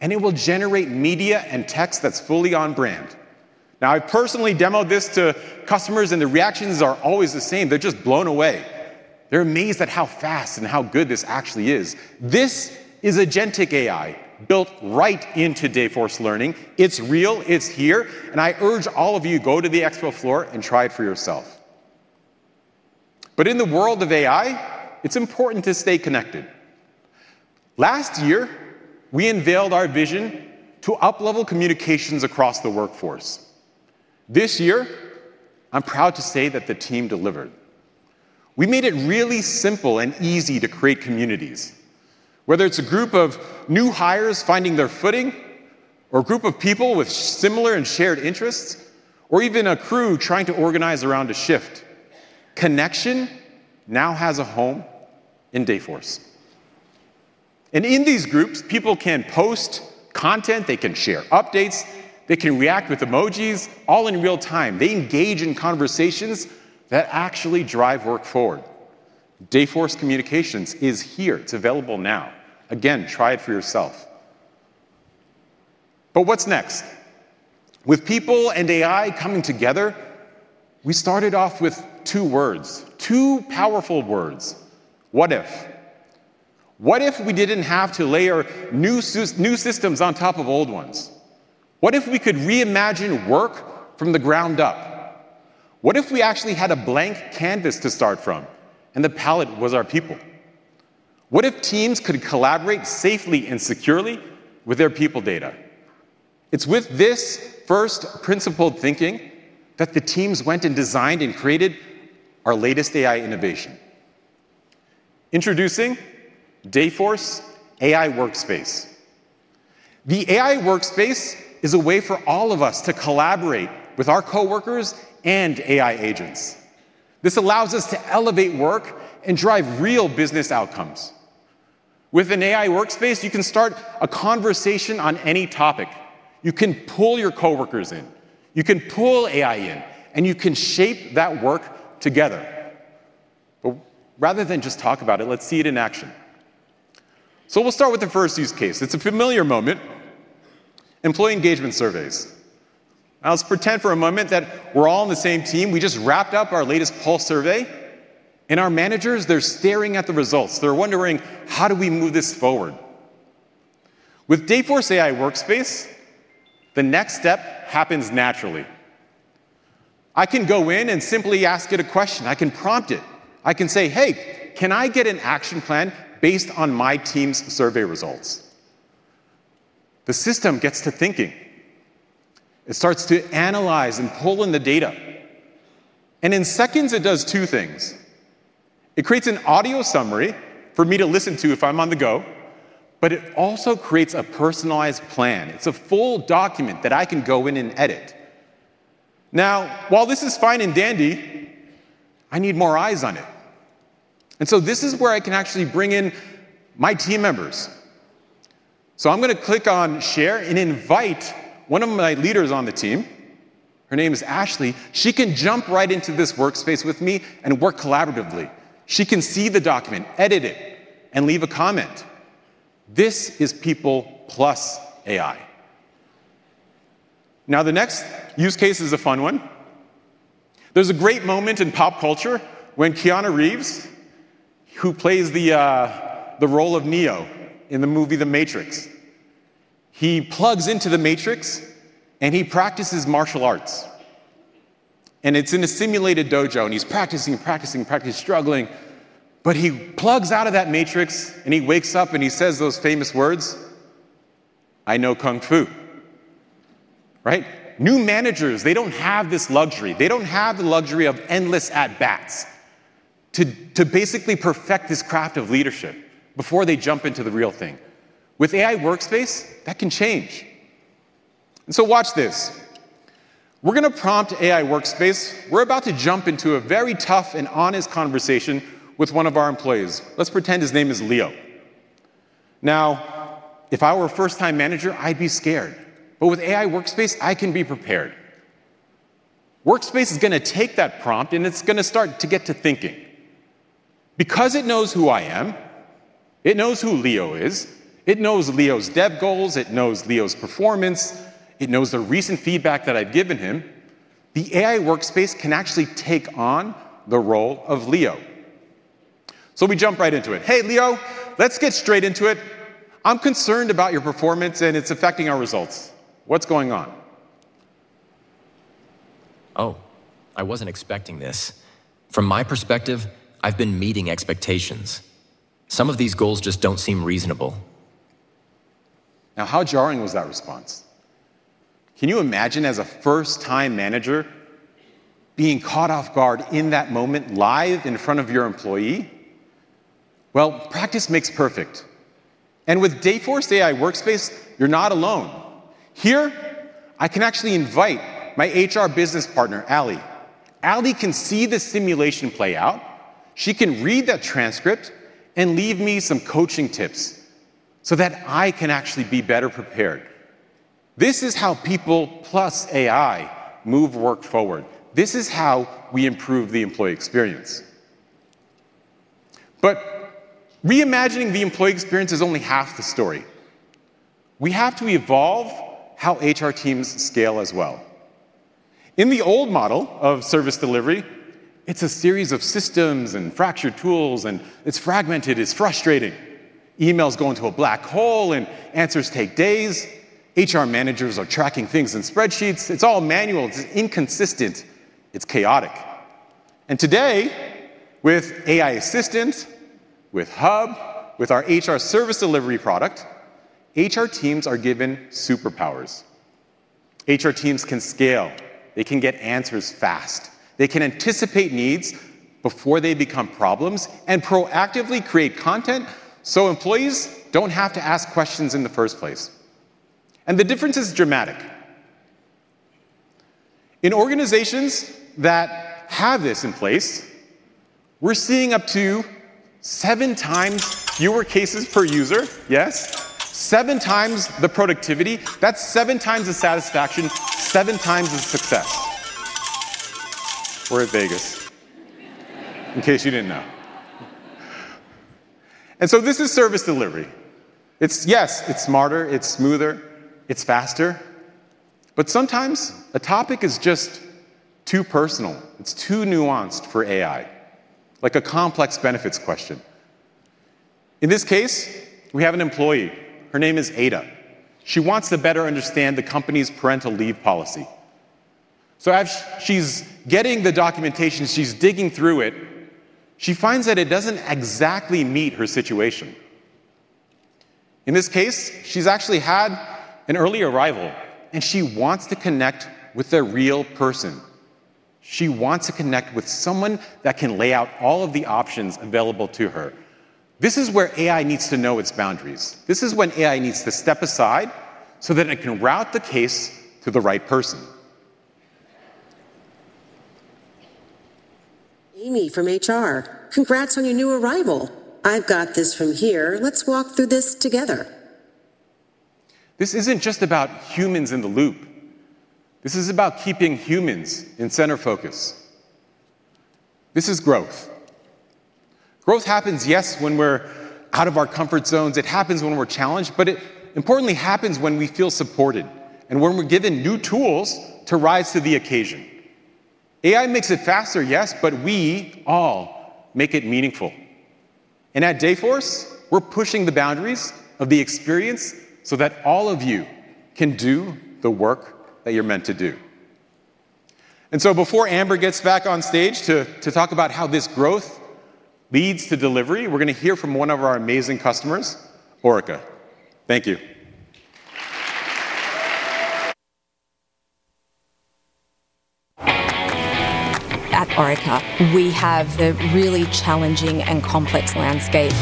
and it will generate media and text that's fully on brand. I personally demoed this to customers, and the reactions are always the same. They're just blown away. They're amazed at how fast and how good this actually is. This is Agentic AI built right into Dayforce Learning. It's real. It's here. I urge all of you, go to the Expo floor and try it for yourself. In the world of AI, it's important to stay connected. Last year, we unveiled our vision to uplevel communications across the workforce. This year, I'm proud to say that the team delivered. We made it really simple and easy to create communities, whether it's a group of new hires finding their footing or a group of people with similar and shared interests, or even a crew trying to organize around a shift. Connection now has a home in Dayforce. In these groups, people can post content, they can share updates, they can react with emojis, all in real time. They engage in conversations that actually drive work forward. Dayforce Communications is here. It's available now. Again, try it for yourself. What's next? With people and AI coming together, we started off with two words, two powerful words: what if? What if we didn't have to lay our new systems on top of old ones? What if we could reimagine work from the ground up? What if we actually had a blank canvas to start from and the palette was our people? What if teams could collaborate safely and securely with their people data? It's with this first principled thinking that the teams went and designed and created our latest AI innovation. Introducing Dayforce AI Workspace. The AI Workspace is a way for all of us to collaborate with our coworkers and AI agents. This allows us to elevate work and drive real business outcomes. With an AI Workspace, you can start a conversation on any topic. You can pull your coworkers in. You can pull AI in, and you can shape that work together. Rather than just talk about it, let's see it in action. We'll start with the first use case. It's a familiar moment: employee engagement surveys. Now let's pretend for a moment that we're all on the same team. We just wrapped up our latest pulse survey, and our managers, they're staring at the results. They're wondering, how do we move this forward? With Dayforce AI Workspace, the next step happens naturally. I can go in and simply ask it a question. I can prompt it. I can say, hey, can I get an action plan based on my team's survey results? The system gets to thinking. It starts to analyze and pull in the data. In seconds, it does two things. It creates an audio summary for me to listen to if I'm on the go, but it also creates a personalized plan. It's a full document that I can go in and edit. While this is fine and dandy, I need more eyes on it. This is where I can actually bring in my team members. I'm going to click on Share and invite one of my leaders on the team. Her name is Ashley. She can jump right into this workspace with me and work collaboratively. She can see the document, edit it, and leave a comment. This is People Plus AI. The next use case is a fun one. There's a great moment in pop culture when Keanu Reeves, who plays the role of Neo in the movie The Matrix, plugs into The Matrix and practices martial arts. It's in a simulated dojo, and he's practicing, practicing, practicing, struggling. He plugs out of that matrix, and he wakes up and he says those famous words, "I know Kung Fu." Right? New managers don't have this luxury. They don't have the luxury of endless at-bats to basically perfect this craft of leadership before they jump into the real thing. With AI Workspace, that can change. Watch this. We're going to prompt AI Workspace. We're about to jump into a very tough and honest conversation with one of our employees. Let's pretend his name is Leo. If I were a first-time manager, I'd be scared. With AI Workspace, I can be prepared. Workspace is going to take that prompt, and it's going to start to get to thinking. Because it knows who I am, it knows who Leo is, it knows Leo's dev goals, it knows Leo's performance, it knows the recent feedback that I've given him. The AI Workspace can actually take on the role of Leo. We jump right into it. Hey, Leo, let's get straight into it. I'm concerned about your performance, and it's affecting our results. What's going on? Oh, I wasn't expecting this. From my perspective, I've been meeting expectations. Some of these goals just don't seem reasonable. Now, how jarring was that response? Can you imagine as a first-time manager being caught off guard in that moment live in front of your employee? Practice makes perfect. With Dayforce AI Workspace, you're not alone. Here, I can actually invite my HR Business Partner, Allie. Allie can see the simulation play out. She can read that transcript and leave me some coaching tips so that I can actually be better prepared. This is how People Plus AI move work forward. This is how we improve the employee experience. Reimagining the employee experience is only half the story. We have to evolve how HR teams scale as well. In the old model of service delivery, it's a series of systems and fractured tools, and it's fragmented. It's frustrating. Emails go into a black hole, and answers take days. HR managers are tracking things in spreadsheets. It's all manual. It's inconsistent. It's chaotic. Today, with AI assistants, with Hub, with our HR service delivery product, HR teams are given superpowers. HR teams can scale. They can get answers fast. They can anticipate needs before they become problems and proactively create content so employees don't have to ask questions in the first place. The difference is dramatic. In organizations that have this in place, we're seeing up to seven times fewer cases per user. Yes, seven times the productivity. That's seven times the satisfaction, seven times the success. We're in Vegas, in case you didn't know. This is service delivery. It's smarter, it's smoother, it's faster. Sometimes a topic is just too personal. It's too nuanced for AI, like a complex benefits question. In this case, we have an employee. Her name is Ada. She wants to better understand the company's parental leave policy. As she's getting the documentation, she's digging through it. She finds that it doesn't exactly meet her situation. In this case, she's actually had an early arrival, and she wants to connect with a real person. She wants to connect with someone that can lay out all of the options available to her. This is where AI needs to know its boundaries. This is when AI needs to step aside so that it can route the case to the right person. Amy from HR, congrats on your new arrival. I've got this from here. Let's walk through this together. This isn't just about humans in the loop. This is about keeping humans in center focus. This is growth. Growth happens, yes, when we're out of our comfort zones. It happens when we're challenged, but it importantly happens when we feel supported and when we're given new tools to rise to the occasion. AI makes it faster, yes, but we all make it meaningful. At Dayforce, we're pushing the boundaries of the experience so that all of you can do the work that you're meant to do. Before Amber gets back on stage to talk about how this growth leads to delivery, we're going to hear from one of our amazing customers, Orica. Thank you. At Orica, we have the really challenging and complex landscape.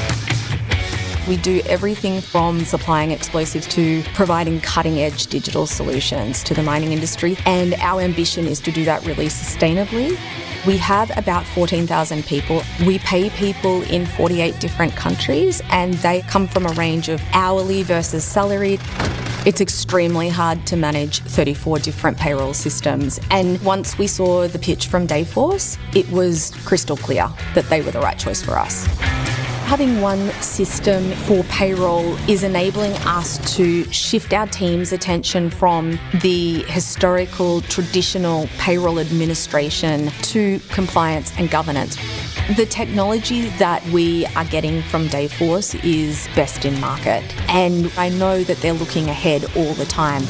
We do everything from supplying explosives to providing cutting-edge digital solutions to the mining industry. Our ambition is to do that really sustainably. We have about 14,000 people. We pay people in 48 different countries, and they come from a range of hourly versus salary. It's extremely hard to manage 34 different payroll systems. Once we saw the pitch from Dayforce, it was crystal clear that they were the right choice for us. Having one system for payroll is enabling us to shift our team's attention from the historical traditional payroll administration to compliance and governance. The technology that we are getting from Dayforce is best in market, and I know that they're looking ahead all the time.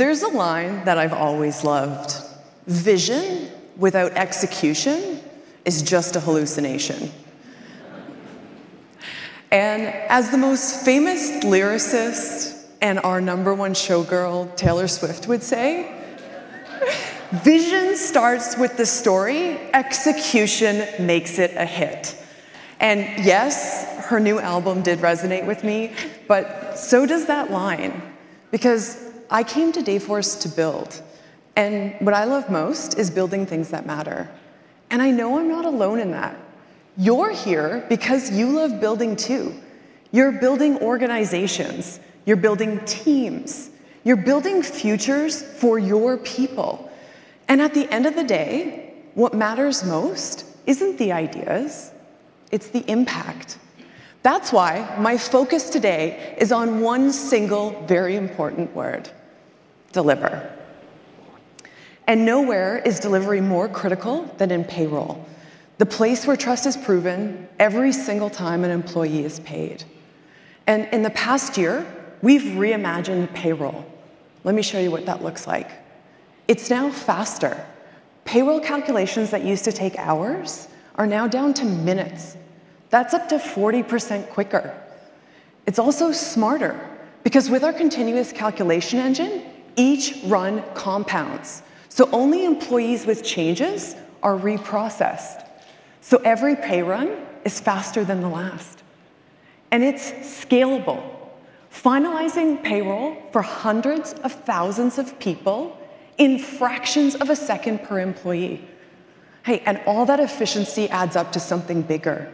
There's a line that I've always loved: "Vision without execution is just a hallucination." As the most famous lyricist and our number one showgirl, Taylor Swift, would say, "Vision starts with the story. Execution makes it a hit." Yes, her new album did resonate with me, but so does that line, because I came to Dayforce to build, and what I love most is building things that matter. I know I'm not alone in that. You're here because you love building too. You're building organizations. You're building teams. You're building futures for your people. At the end of the day, what matters most isn't the ideas. It's the impact. That's why my focus today is on one single, very important word: deliver. Nowhere is delivery more critical than in payroll. The place. Where trust is proven every single time an employee is paid. In the past year, we've reimagined payroll. Let me show you what that looks like. It's now faster. Payroll calculations that used to take hours are now down to minutes. That's up to 40% quicker. It's also smarter because with our continuous calculation engine, each run compounds, so only employees with changes are reprocessed. Every pay run is faster than the last. It's scalable, finalizing payroll for hundreds of thousands of people in fractions of a second per employee. All that efficiency adds up to something bigger.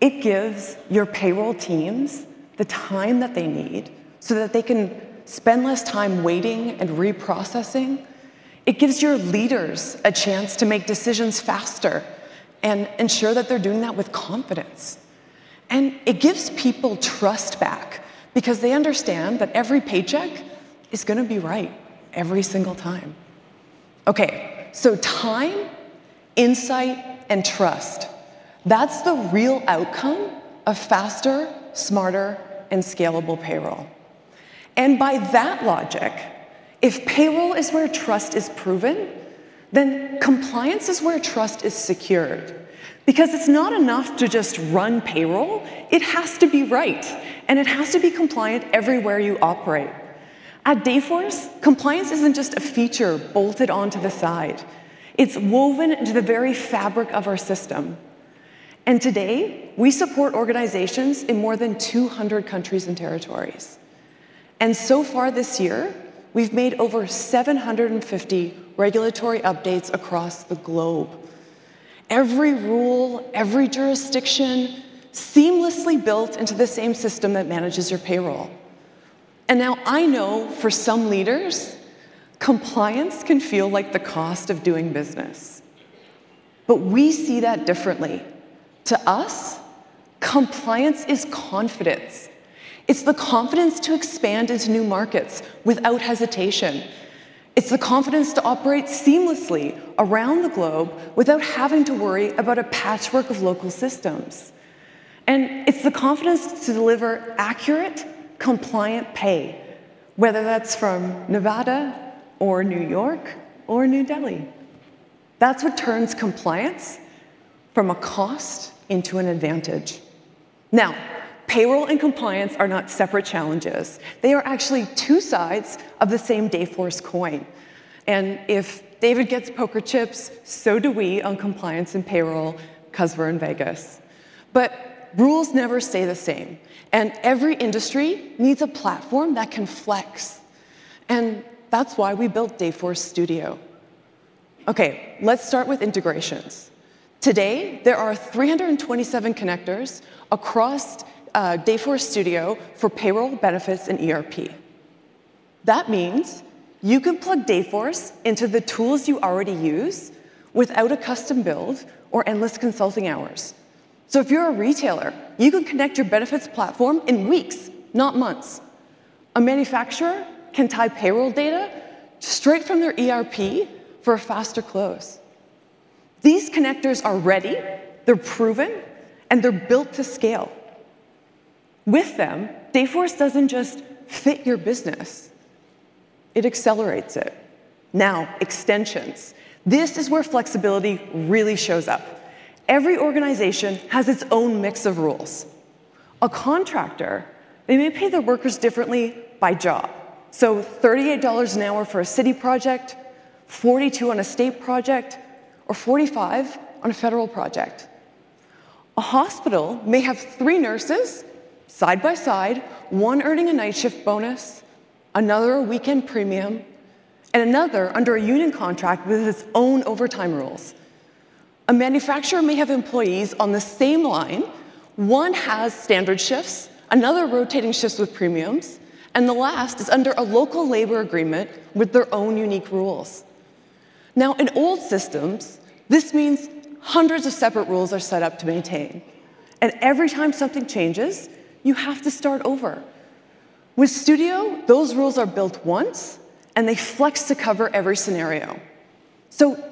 It gives your payroll teams the time that they need so that they can spend less time waiting and reprocessing. It gives your leaders a chance to make decisions faster and ensure that they're doing that with confidence. It gives people trust back because they understand that every paycheck is going to be right every single time. Time, insight, and trust. That's the real outcome of faster, smarter, and scalable payroll. By that logic, if payroll is where trust is proven, then compliance is where trust is secured. It's not enough to just run payroll; it has to be right, and it has to be compliant everywhere you operate. At Dayforce, compliance isn't just a feature bolted onto the side. It's woven into the very fabric of our system. Today, we support organizations in more than 200 countries and territories. So far this year, we've made over 750 regulatory updates across the globe. Every rule, every jurisdiction, seamlessly built into the same system that manages your payroll. I know for some leaders, compliance can feel like the cost of doing business. We see that differently. To us, compliance is confidence. It's the confidence to expand into new markets without hesitation. It's the confidence to operate seamlessly around the globe without having to worry about a patchwork of local systems. It's the confidence to deliver accurate, compliant pay, whether that's from Nevada or New York or New Delhi. That's what turns compliance from a cost into an advantage. Payroll and compliance are not separate challenges. They are actually two sides of the same Dayforce coin. If David gets poker chips, so do we on compliance and payroll because we're in Vegas. Rules never stay the same, and every industry needs a platform that can flex. That's why we built Dayforce Studio. Let's start with integrations. Today, there are 327 connectors across Dayforce Studio for payroll, benefits, and ERP. That means you can plug Dayforce into the tools you already use without a custom build or endless consulting hours. If you're a retailer, you can connect your benefits platform in weeks, not months. A manufacturer can tie payroll data straight from their ERP for a faster close. These connectors are ready, they're proven, and they're built to scale. With them, Dayforce doesn't just fit your business, it accelerates it. Now, extensions. This is where flexibility really shows up. Every organization has its own mix of rules. A contractor may pay their workers differently by job. $38 an hour for a city project, $42 on a state project, or $45 on a federal project. A hospital may have three nurses, side by side, one earning a night shift bonus, another a weekend premium, and another under a union contract with its own overtime rules. A manufacturer may have employees on the same line, one has standard shifts, another rotating shifts with premiums, and the last is under a local labor agreement with their own unique rules. In old systems, this means hundreds of separate rules are set up to maintain. Every time something changes, you have to start over. With Studio, those rules are built once, and they flex to cover every scenario.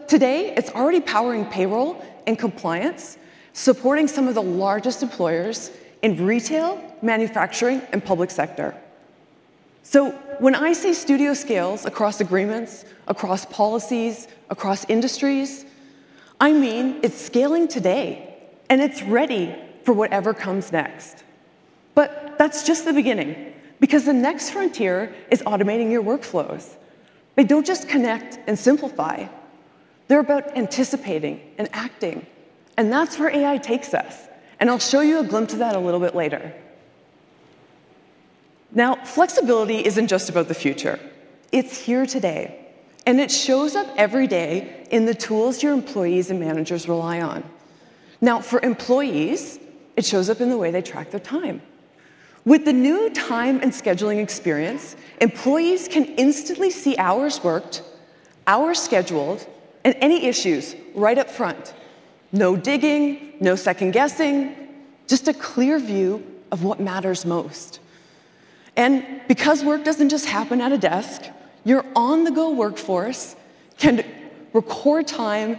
Today, it's already powering payroll and compliance, supporting some of the largest employers in retail, manufacturing, and public sector. When I say Studio scales across agreements, across policies, across industries, I mean it's scaling today, and it's ready for whatever comes next. That's just the beginning because the next frontier is automating your workflows. They don't just connect and simplify, they're about anticipating and acting. That's where AI takes us. I'll show you a glimpse of that a little bit later. Flexibility isn't just about the future. It's here today, and it shows up every day in the tools your employees and managers rely on. For employees, it shows up in the way they track their time. With the new time and scheduling experience, employees can instantly see hours worked, hours scheduled, and any issues right up front. No digging, no second-guessing, just a clear view of what matters most. Because work doesn't just happen at a desk, your on-the-go workforce can record time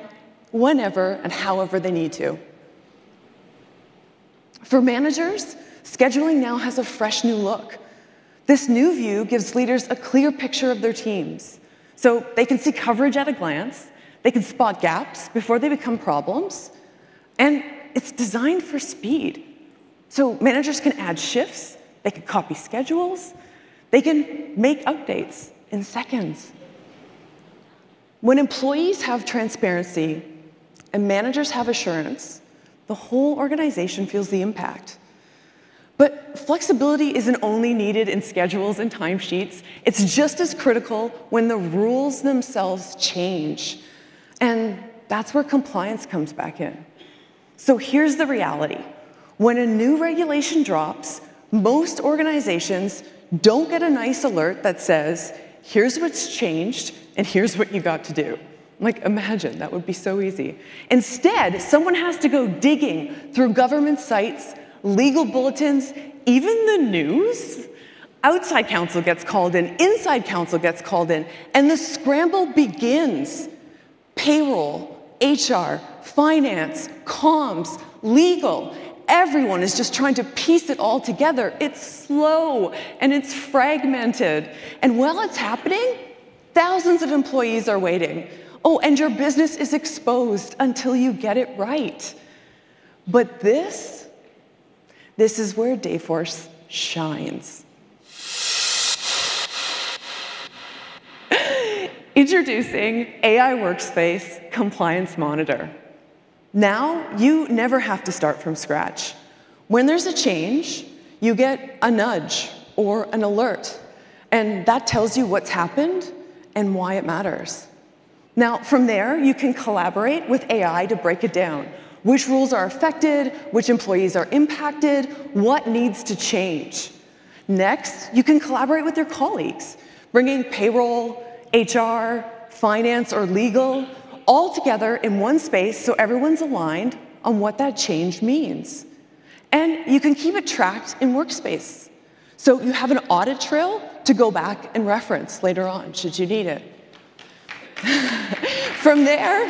whenever and however they need to. For managers, scheduling now has a fresh new look. This new view gives leaders a clear picture of their teams. They can see coverage at a glance, spot gaps before they become problems, and it's designed for speed. Managers can add shifts, copy schedules, and make updates in seconds. When employees have transparency and managers have assurance, the whole organization feels the impact. Flexibility isn't only needed in schedules and timesheets; it's just as critical when the rules themselves change. That's where compliance comes back in. Here's the reality. When a new regulation drops, most organizations don't get a nice alert that says, "Here's what's changed, and here's what you got to do." Imagine, that would be so easy. Instead, someone has to go digging through government sites, legal bulletins, even the news. Outside counsel gets called in, inside counsel gets called in, and the scramble begins. Payroll, HR, finance, comms, legal, everyone is just trying to piece it all together. It's slow, and it's fragmented. While it's happening, thousands of employees are waiting. Oh, and your business is exposed until you get it right. This is where Dayforce shines. Introducing Dayforce AI Workspace Compliance Monitor. Now you never have to start from scratch. When there's a change, you get a nudge or an alert that tells you what's happened and why it matters. From there, you can collaborate with AI to break it down. Which rules are affected, which employees are impacted, what needs to change. Next, you can collaborate with your colleagues, bringing payroll, HR, finance, or legal all together in one space so everyone's aligned on what that change means. You can keep it tracked in Workspace, so you have an audit trail to go back and reference later on should you need it. From there,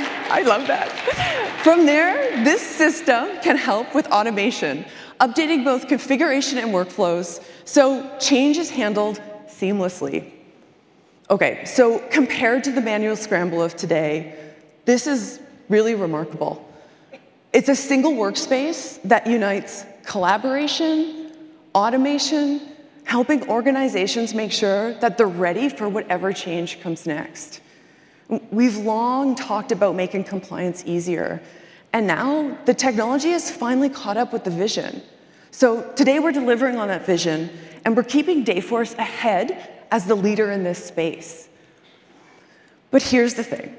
this system can help with automation, updating both configuration and workflows so change is handled seamlessly. Compared to the manual scramble of today, this is really remarkable. It's a single workspace that unites collaboration and automation, helping organizations make sure that they're ready for whatever change comes next. We've long talked about making compliance easier, and now the technology has finally caught up with the vision. Today we're delivering on that vision, and we're keeping Dayforce ahead as the leader in this space. Here's the thing.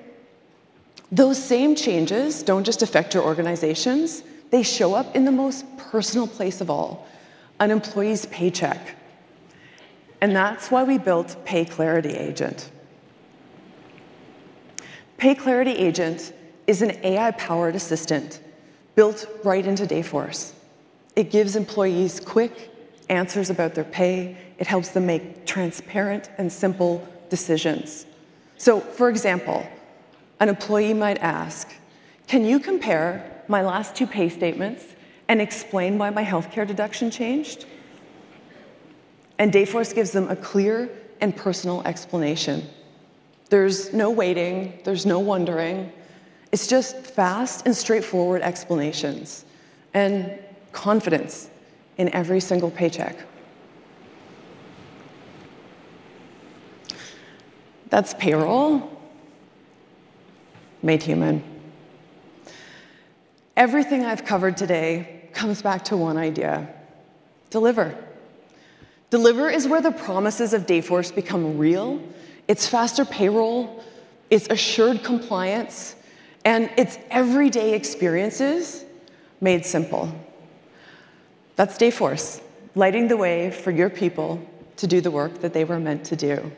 Those same changes don't just affect your organizations, they show up in the most personal place of all, an employee's paycheck. That's why we built Pay Clarity Agent. Pay Clarity Agent is an AI-powered assistant built right into Dayforce. It gives employees quick answers about their pay and helps them make transparent and simple decisions. For example, an employee might ask, "Can you compare my last two pay statements and explain why my healthcare deduction changed?" Dayforce gives them a clear and personal explanation. There's no waiting, there's no wondering. It's just fast and straightforward explanations and confidence in every single paycheck. That's payroll made human. Everything I've covered today comes back to one idea: Deliver. Deliver is where the promises of Dayforce become real. It's faster payroll, it's assured compliance, and it's everyday experiences made simple. That's Dayforce, lighting the way for your people to do the work that they were meant to do.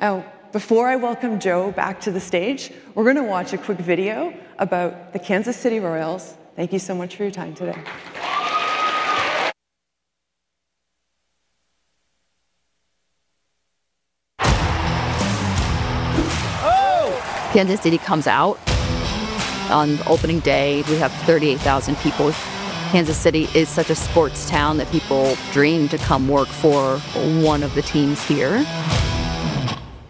Now, before I welcome Joe back to the stage, we're going to watch a quick video about the Kansas City Royals. Thank you so much for your time today. Kansas City comes out on opening day. We have 38,000 people. Kansas City is such a sports town that people dream to come work for one of the teams here.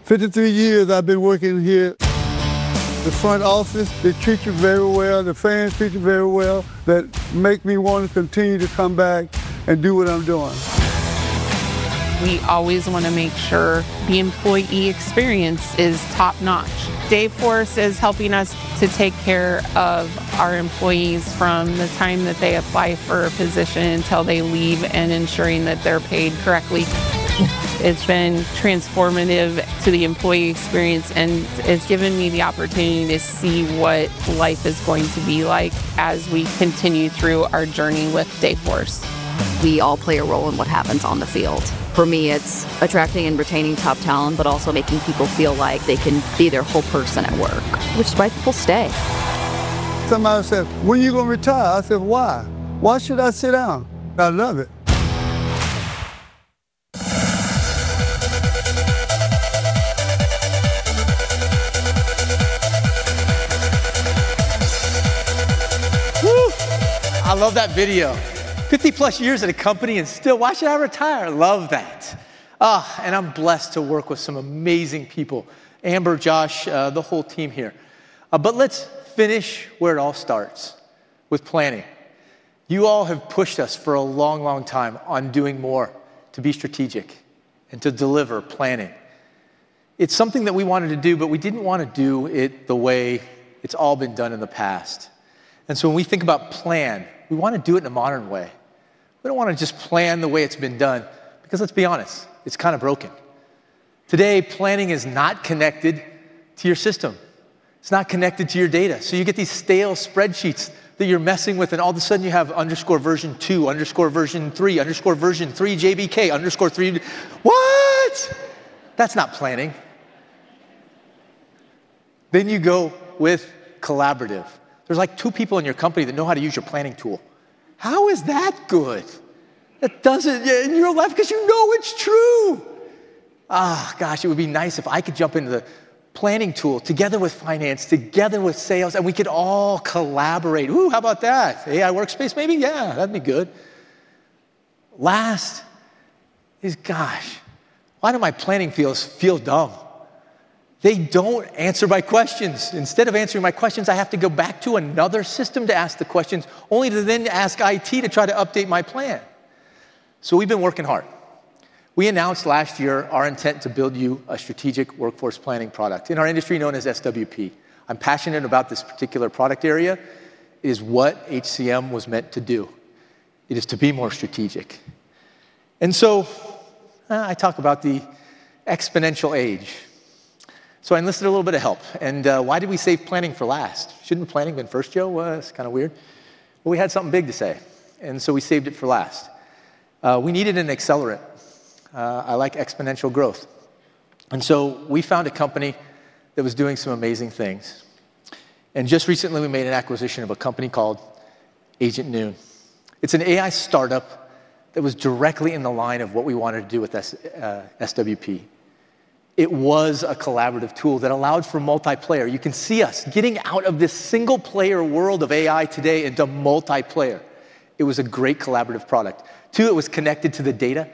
53 years I've been working here. The front office, they treat you very well. The fans treat you very well. That makes me want to continue to come back and do what I'm doing. We always want to make sure the employee experience is top-notch. Dayforce is helping us to take care of our employees from the time that they apply for a position until they leave, and ensuring that they're paid correctly. It's been transformative to the employee experience, and it's given me the opportunity to see what life is going to be like as we continue through our journey with Dayforce. We all play a role in what happens on the field. For me, it's attracting and retaining top talent, but also making people feel like they can be their whole person at work, which is why people stay. Some of them said, "When are you going to retire?" I said, "Why? Why should I sit down?" I love it. I love that video. 50+ years at a company and still watching how I retire. I love that. Oh, and I'm blessed to work with some amazing people. Amber, Josh, the whole team here. Let's finish where it all starts with planning. You all have pushed us for a long, long time on doing more to be strategic and to deliver planning. It's something that we wanted to do, but we didn't want to do it the way it's all been done in the past. When we think about plan, we want to do it in a modern way. We don't want to just plan the way it's been done because, let's be honest, it's kind of broken. Today, planning is not connected to your system. It's not connected to your data. You get these stale spreadsheets that you're messing with, and all of a sudden you have underscore version two, underscore version three, underscore version three, JBK underscore three. What? That's not planning. You go with collaborative. There's like two people in your company that know how to use your planning tool. How is that good? That doesn't get in your life because you know it's true. Oh gosh, it would be nice if I could jump into the planning tool together with finance, together with sales, and we could all collaborate. Ooh, how about that? AI workspace maybe? Yeah, that'd be good. Last is, gosh, why do my planning fields feel dumb? They don't answer my questions. Instead of answering my questions, I have to go back to another system to ask the questions, only to then ask IT to try to update my plan. We've been working hard. We announced last year our intent to build you a strategic workforce planning product in our industry known as SWP. I'm passionate about this particular product area. It is what HCM was meant to do. It is to be more strategic. I talk about the exponential age. I enlisted a little bit of help. Why do we save planning for last? Shouldn't the planning have been first, Joe? It's kind of weird. We had something big to say. We saved it for last. We needed an accelerant. I like exponential growth. We found a company that was doing some amazing things. Just recently, we made an acquisition of a company called Agent Noon. It's an AI startup that was directly in the line of what we wanted to do with SWP. It was a collaborative tool that allowed for multiplayer. You can see us getting out of this single-player world of AI today into multiplayer. It was a great collaborative product. Two, it was connected to the data,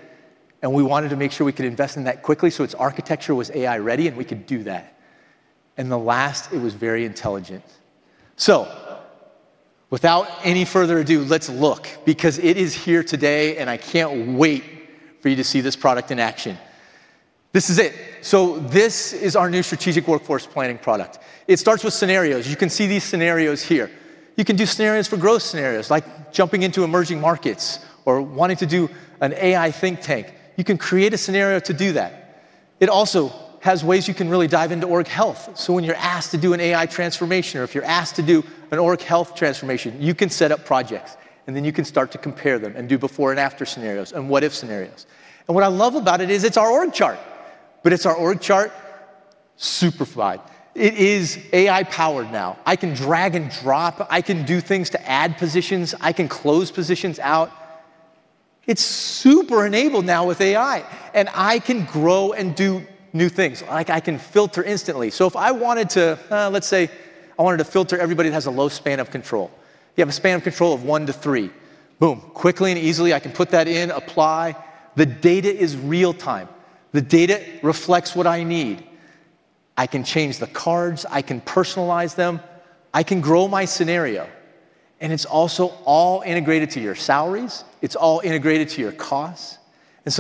and we wanted to make sure we could invest in that quickly so its architecture was AI-ready and we could do that. The last, it was very intelligent. Without any further ado, let's look because it is here today and I can't wait for you to see this product in action. This is it. This is our new strategic workforce planning product. It starts with scenarios. You can see these scenarios here. You can do scenarios for growth scenarios, like jumping into emerging markets or wanting to do an AI think tank. You can create a scenario to do that. It also has ways you can really dive into org health. When you're asked to do an AI transformation or if you're asked to do an org health transformation, you can set up projects and then you can start to compare them and do before and after scenarios and what-if scenarios. What I love about it is it's our org chart. It's our org chart super five. It is AI-powered now. I can drag and drop. I can do things to add positions. I can close positions out. It's super enabled now with AI and I can grow and do new things. I can filter instantly. If I wanted to, let's say I wanted to filter everybody that has a low span of control. If you have a span of control of one to three, boom, quickly and easily, I can put that in, apply. The data is real-time. The data reflects what I need. I can change the cards. I can personalize them. I can grow my scenario. It's also all integrated to your salaries. It's all integrated to your costs. This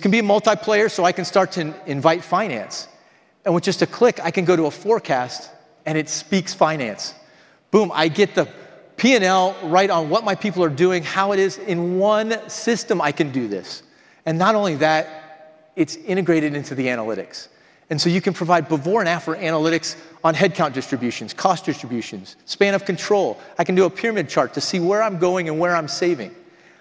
can be a multiplayer so I can start to invite finance. With just a click, I can go to a forecast and it speaks finance. Boom, I get the P&L right on what my people are doing, how it is in one system. I can do this. Not only that, it's integrated into the analytics. You can provide before and after analytics on headcount distributions, cost distributions, span of control. I can do a pyramid chart to see where I'm going and where I'm saving.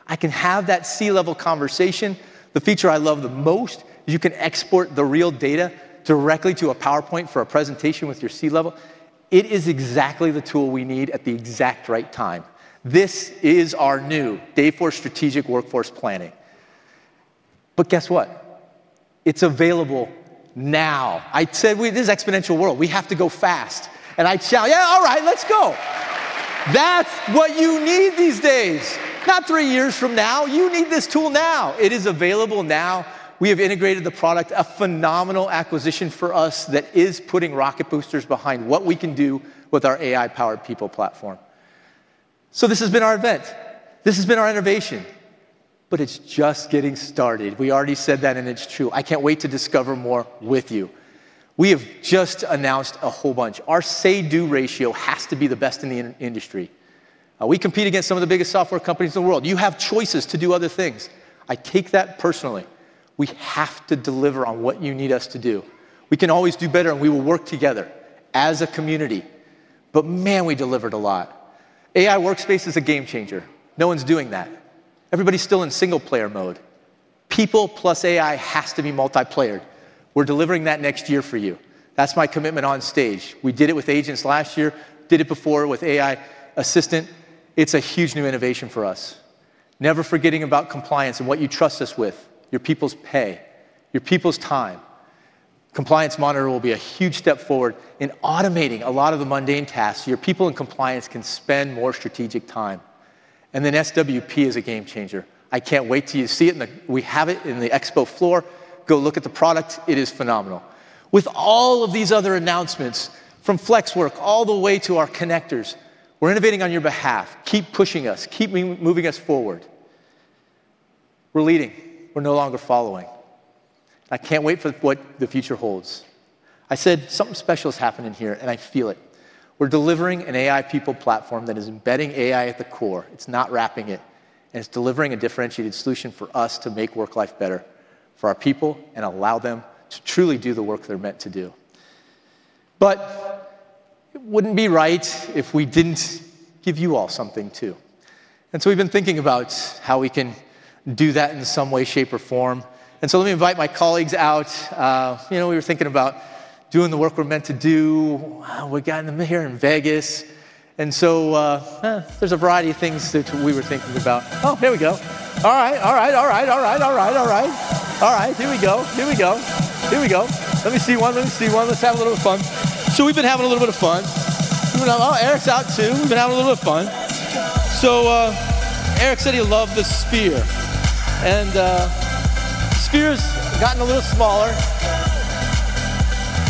I can have that C-level conversation. The feature I love the most is you can export the real data directly to a PowerPoint for a presentation with your C-level. It is exactly the tool we need at the exact right time. This is our new Dayforce strategic workforce planning. Guess what? It's available now. I said, "We need this exponential world. We have to go fast." I'd shout, "Yeah, all right, let's go." That's what you need these days, not three years from now. You need this tool now. It is available now. We have integrated the product, a phenomenal acquisition for us that is putting rocket boosters behind what we can do with our AI-powered people platform. This has been our advance. This has been our innovation. It's just getting started. We already said that and it's true. I can't wait to discover more with you. We have just announced a whole bunch. Our say-do ratio has to be the best in the industry. We compete against some of the biggest software companies in the world. You have choices to do other things. I take that personally. We have to deliver on what you need us to do. We can always do better and we will work together as a community. We delivered a lot. AI Workspace is a game changer. No one's doing that. Everybody's still in single-player mode. People Plus AI has to be multiplayer. We're delivering that next year for you. That's my commitment on stage. We did it with agents last year, did it before with AI Assistant. It's a huge new innovation for us. Never forgetting about compliance and what you trust us with, your people's pay, your people's time. Compliance Monitor will be a huge step forward in automating a lot of the mundane tasks so your people in compliance can spend more strategic time. SWP is a game changer. I can't wait till you see it. We have it in the expo floor. Go look at the product. It is phenomenal. With all of these other announcements from Flexwork all the way to our connectors, we're innovating on your behalf. Keep pushing us. Keep moving us forward. We're leading. We're no longer following. I can't wait for what the future holds. I said something special is happening here and I feel it. We're delivering an AI people platform that is embedding AI at the core. It's not wrapping it. It's delivering a differentiated solution for us to make work-life better for our people and allow them to truly do the work they're meant to do. It wouldn't be right if we didn't give you all something too. We've been thinking about how we can do that in some way, shape, or form. Let me invite my colleagues out. You know, we were thinking about doing the work we're meant to do. We got in the mayor in Vegas. There's a variety of things that we were thinking about. Here we go. All right, all right, all right, all right, all right, all right. Here we go, here we go, here we go. Let me see one, let me see one, let's have a little bit of fun. We've been having a little bit of fun. We've been having, oh, Eric's out too. We've been having a little bit of fun. Eric said he loved the sphere. Sphere's gotten a little smaller,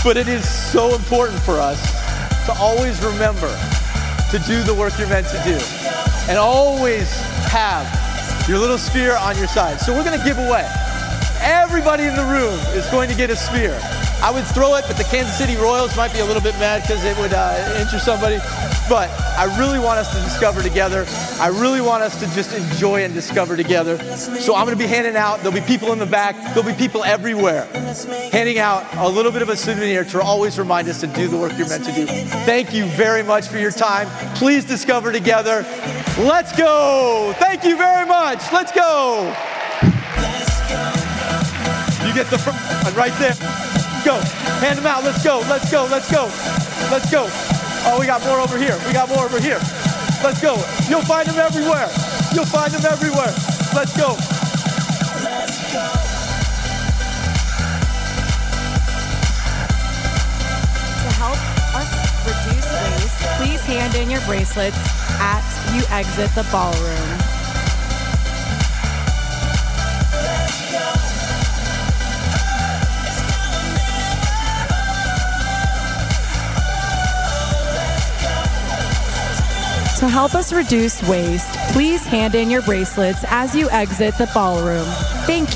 but it is so important for us to always remember to do the work you're meant to do and always have your little sphere on your side. We're going to give away. Everybody in the room is going to get a sphere. I would throw it, but the Kansas City Royals might be a little bit mad because it would injure somebody. I really want us to discover together. I really want us to just enjoy and discover together. I'm going to be handing out. There'll be people in the back. There'll be people everywhere handing out a little bit of a souvenir to always remind us to do the work you're meant to do. Thank you very much for your time. Please discover together. Let's go. Thank you very much. Let's go. You get the right there. Go. Hand them out. Let's go. Let's go. Let's go. Let's go. Oh, we got more over here. We got more over here. Let's go. You'll find them everywhere. You'll find them everywhere. Let's go. To help us reduce waste, please hand in your bracelets as you exit the ballroom. Thank you.